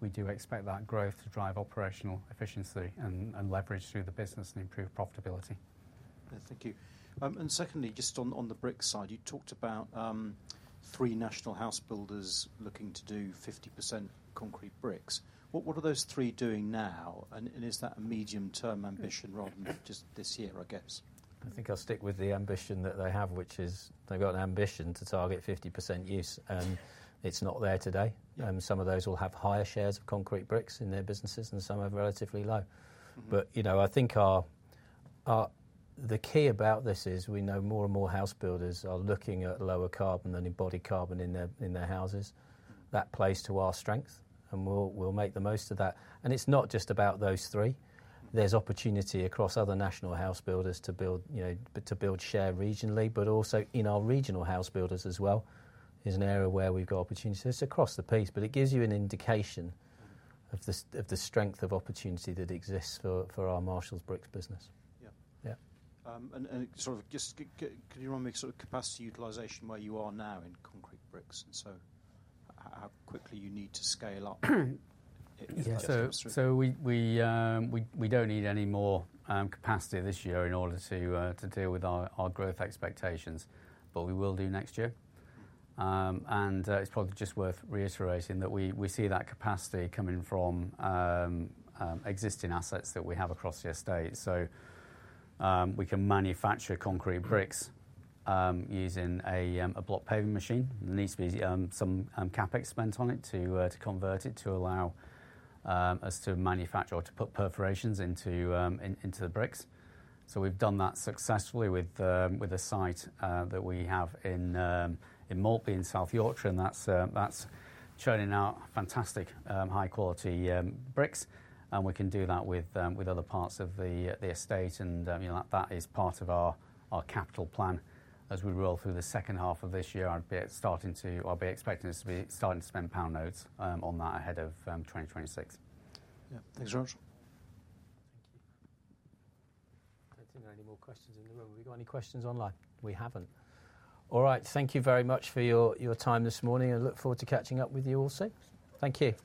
we do expect that growth to drive operational efficiency and leverage through the business and improve profitability. Thank you. Secondly, just on the bricks side, you talked about three national house builders looking to do 50% concrete bricks. What are those three doing now? Is that a medium-term ambition rather than just this year, I guess? I think I'll stick with the ambition that they have, which is they've got an ambition to target 50% use. It's not there today. Some of those will have higher shares of concrete bricks in their businesses, and some have relatively low. I think the key about this is we know more and more house builders are looking at lower carbon and embodied carbon in their houses. That plays to our strength, and we'll make the most of that. It's not just about those three. There's opportunity across other national house builders to build share regionally, but also in our regional house builders as well is an area where we've got opportunities. It's across the piece, but it gives you an indication of the strength of opportunity that exists for our Marshalls bricks business. Yeah Yeah. Could you remind me sort of capacity utilization where you are now in concrete bricks and how quickly you need to scale up? Yeah. We do not need any more capacity this year in order to deal with our growth expectations, but we will do next year. It is probably just worth reiterating that we see that capacity coming from existing assets that we have across the estate. We can manufacture concrete bricks using a block paving machine. There needs to be some CapEx spent on it to convert it to allow us to manufacture or to put perforations into the bricks. We have done that successfully with a site that we have in Morpeth in South Yorkshire, and that is churning out fantastic high-quality bricks. We can do that with other parts of the estate. That is part of our capital plan as we roll through the second half of this year. I would be expecting us to be starting to spend pound notes on that ahead of 2026. Yeah. Thanks. I don't see any more questions in the room. Have we got any questions online? We haven't. All right. Thank you very much for your time this morning. I look forward to catching up with you all soon. Thank you.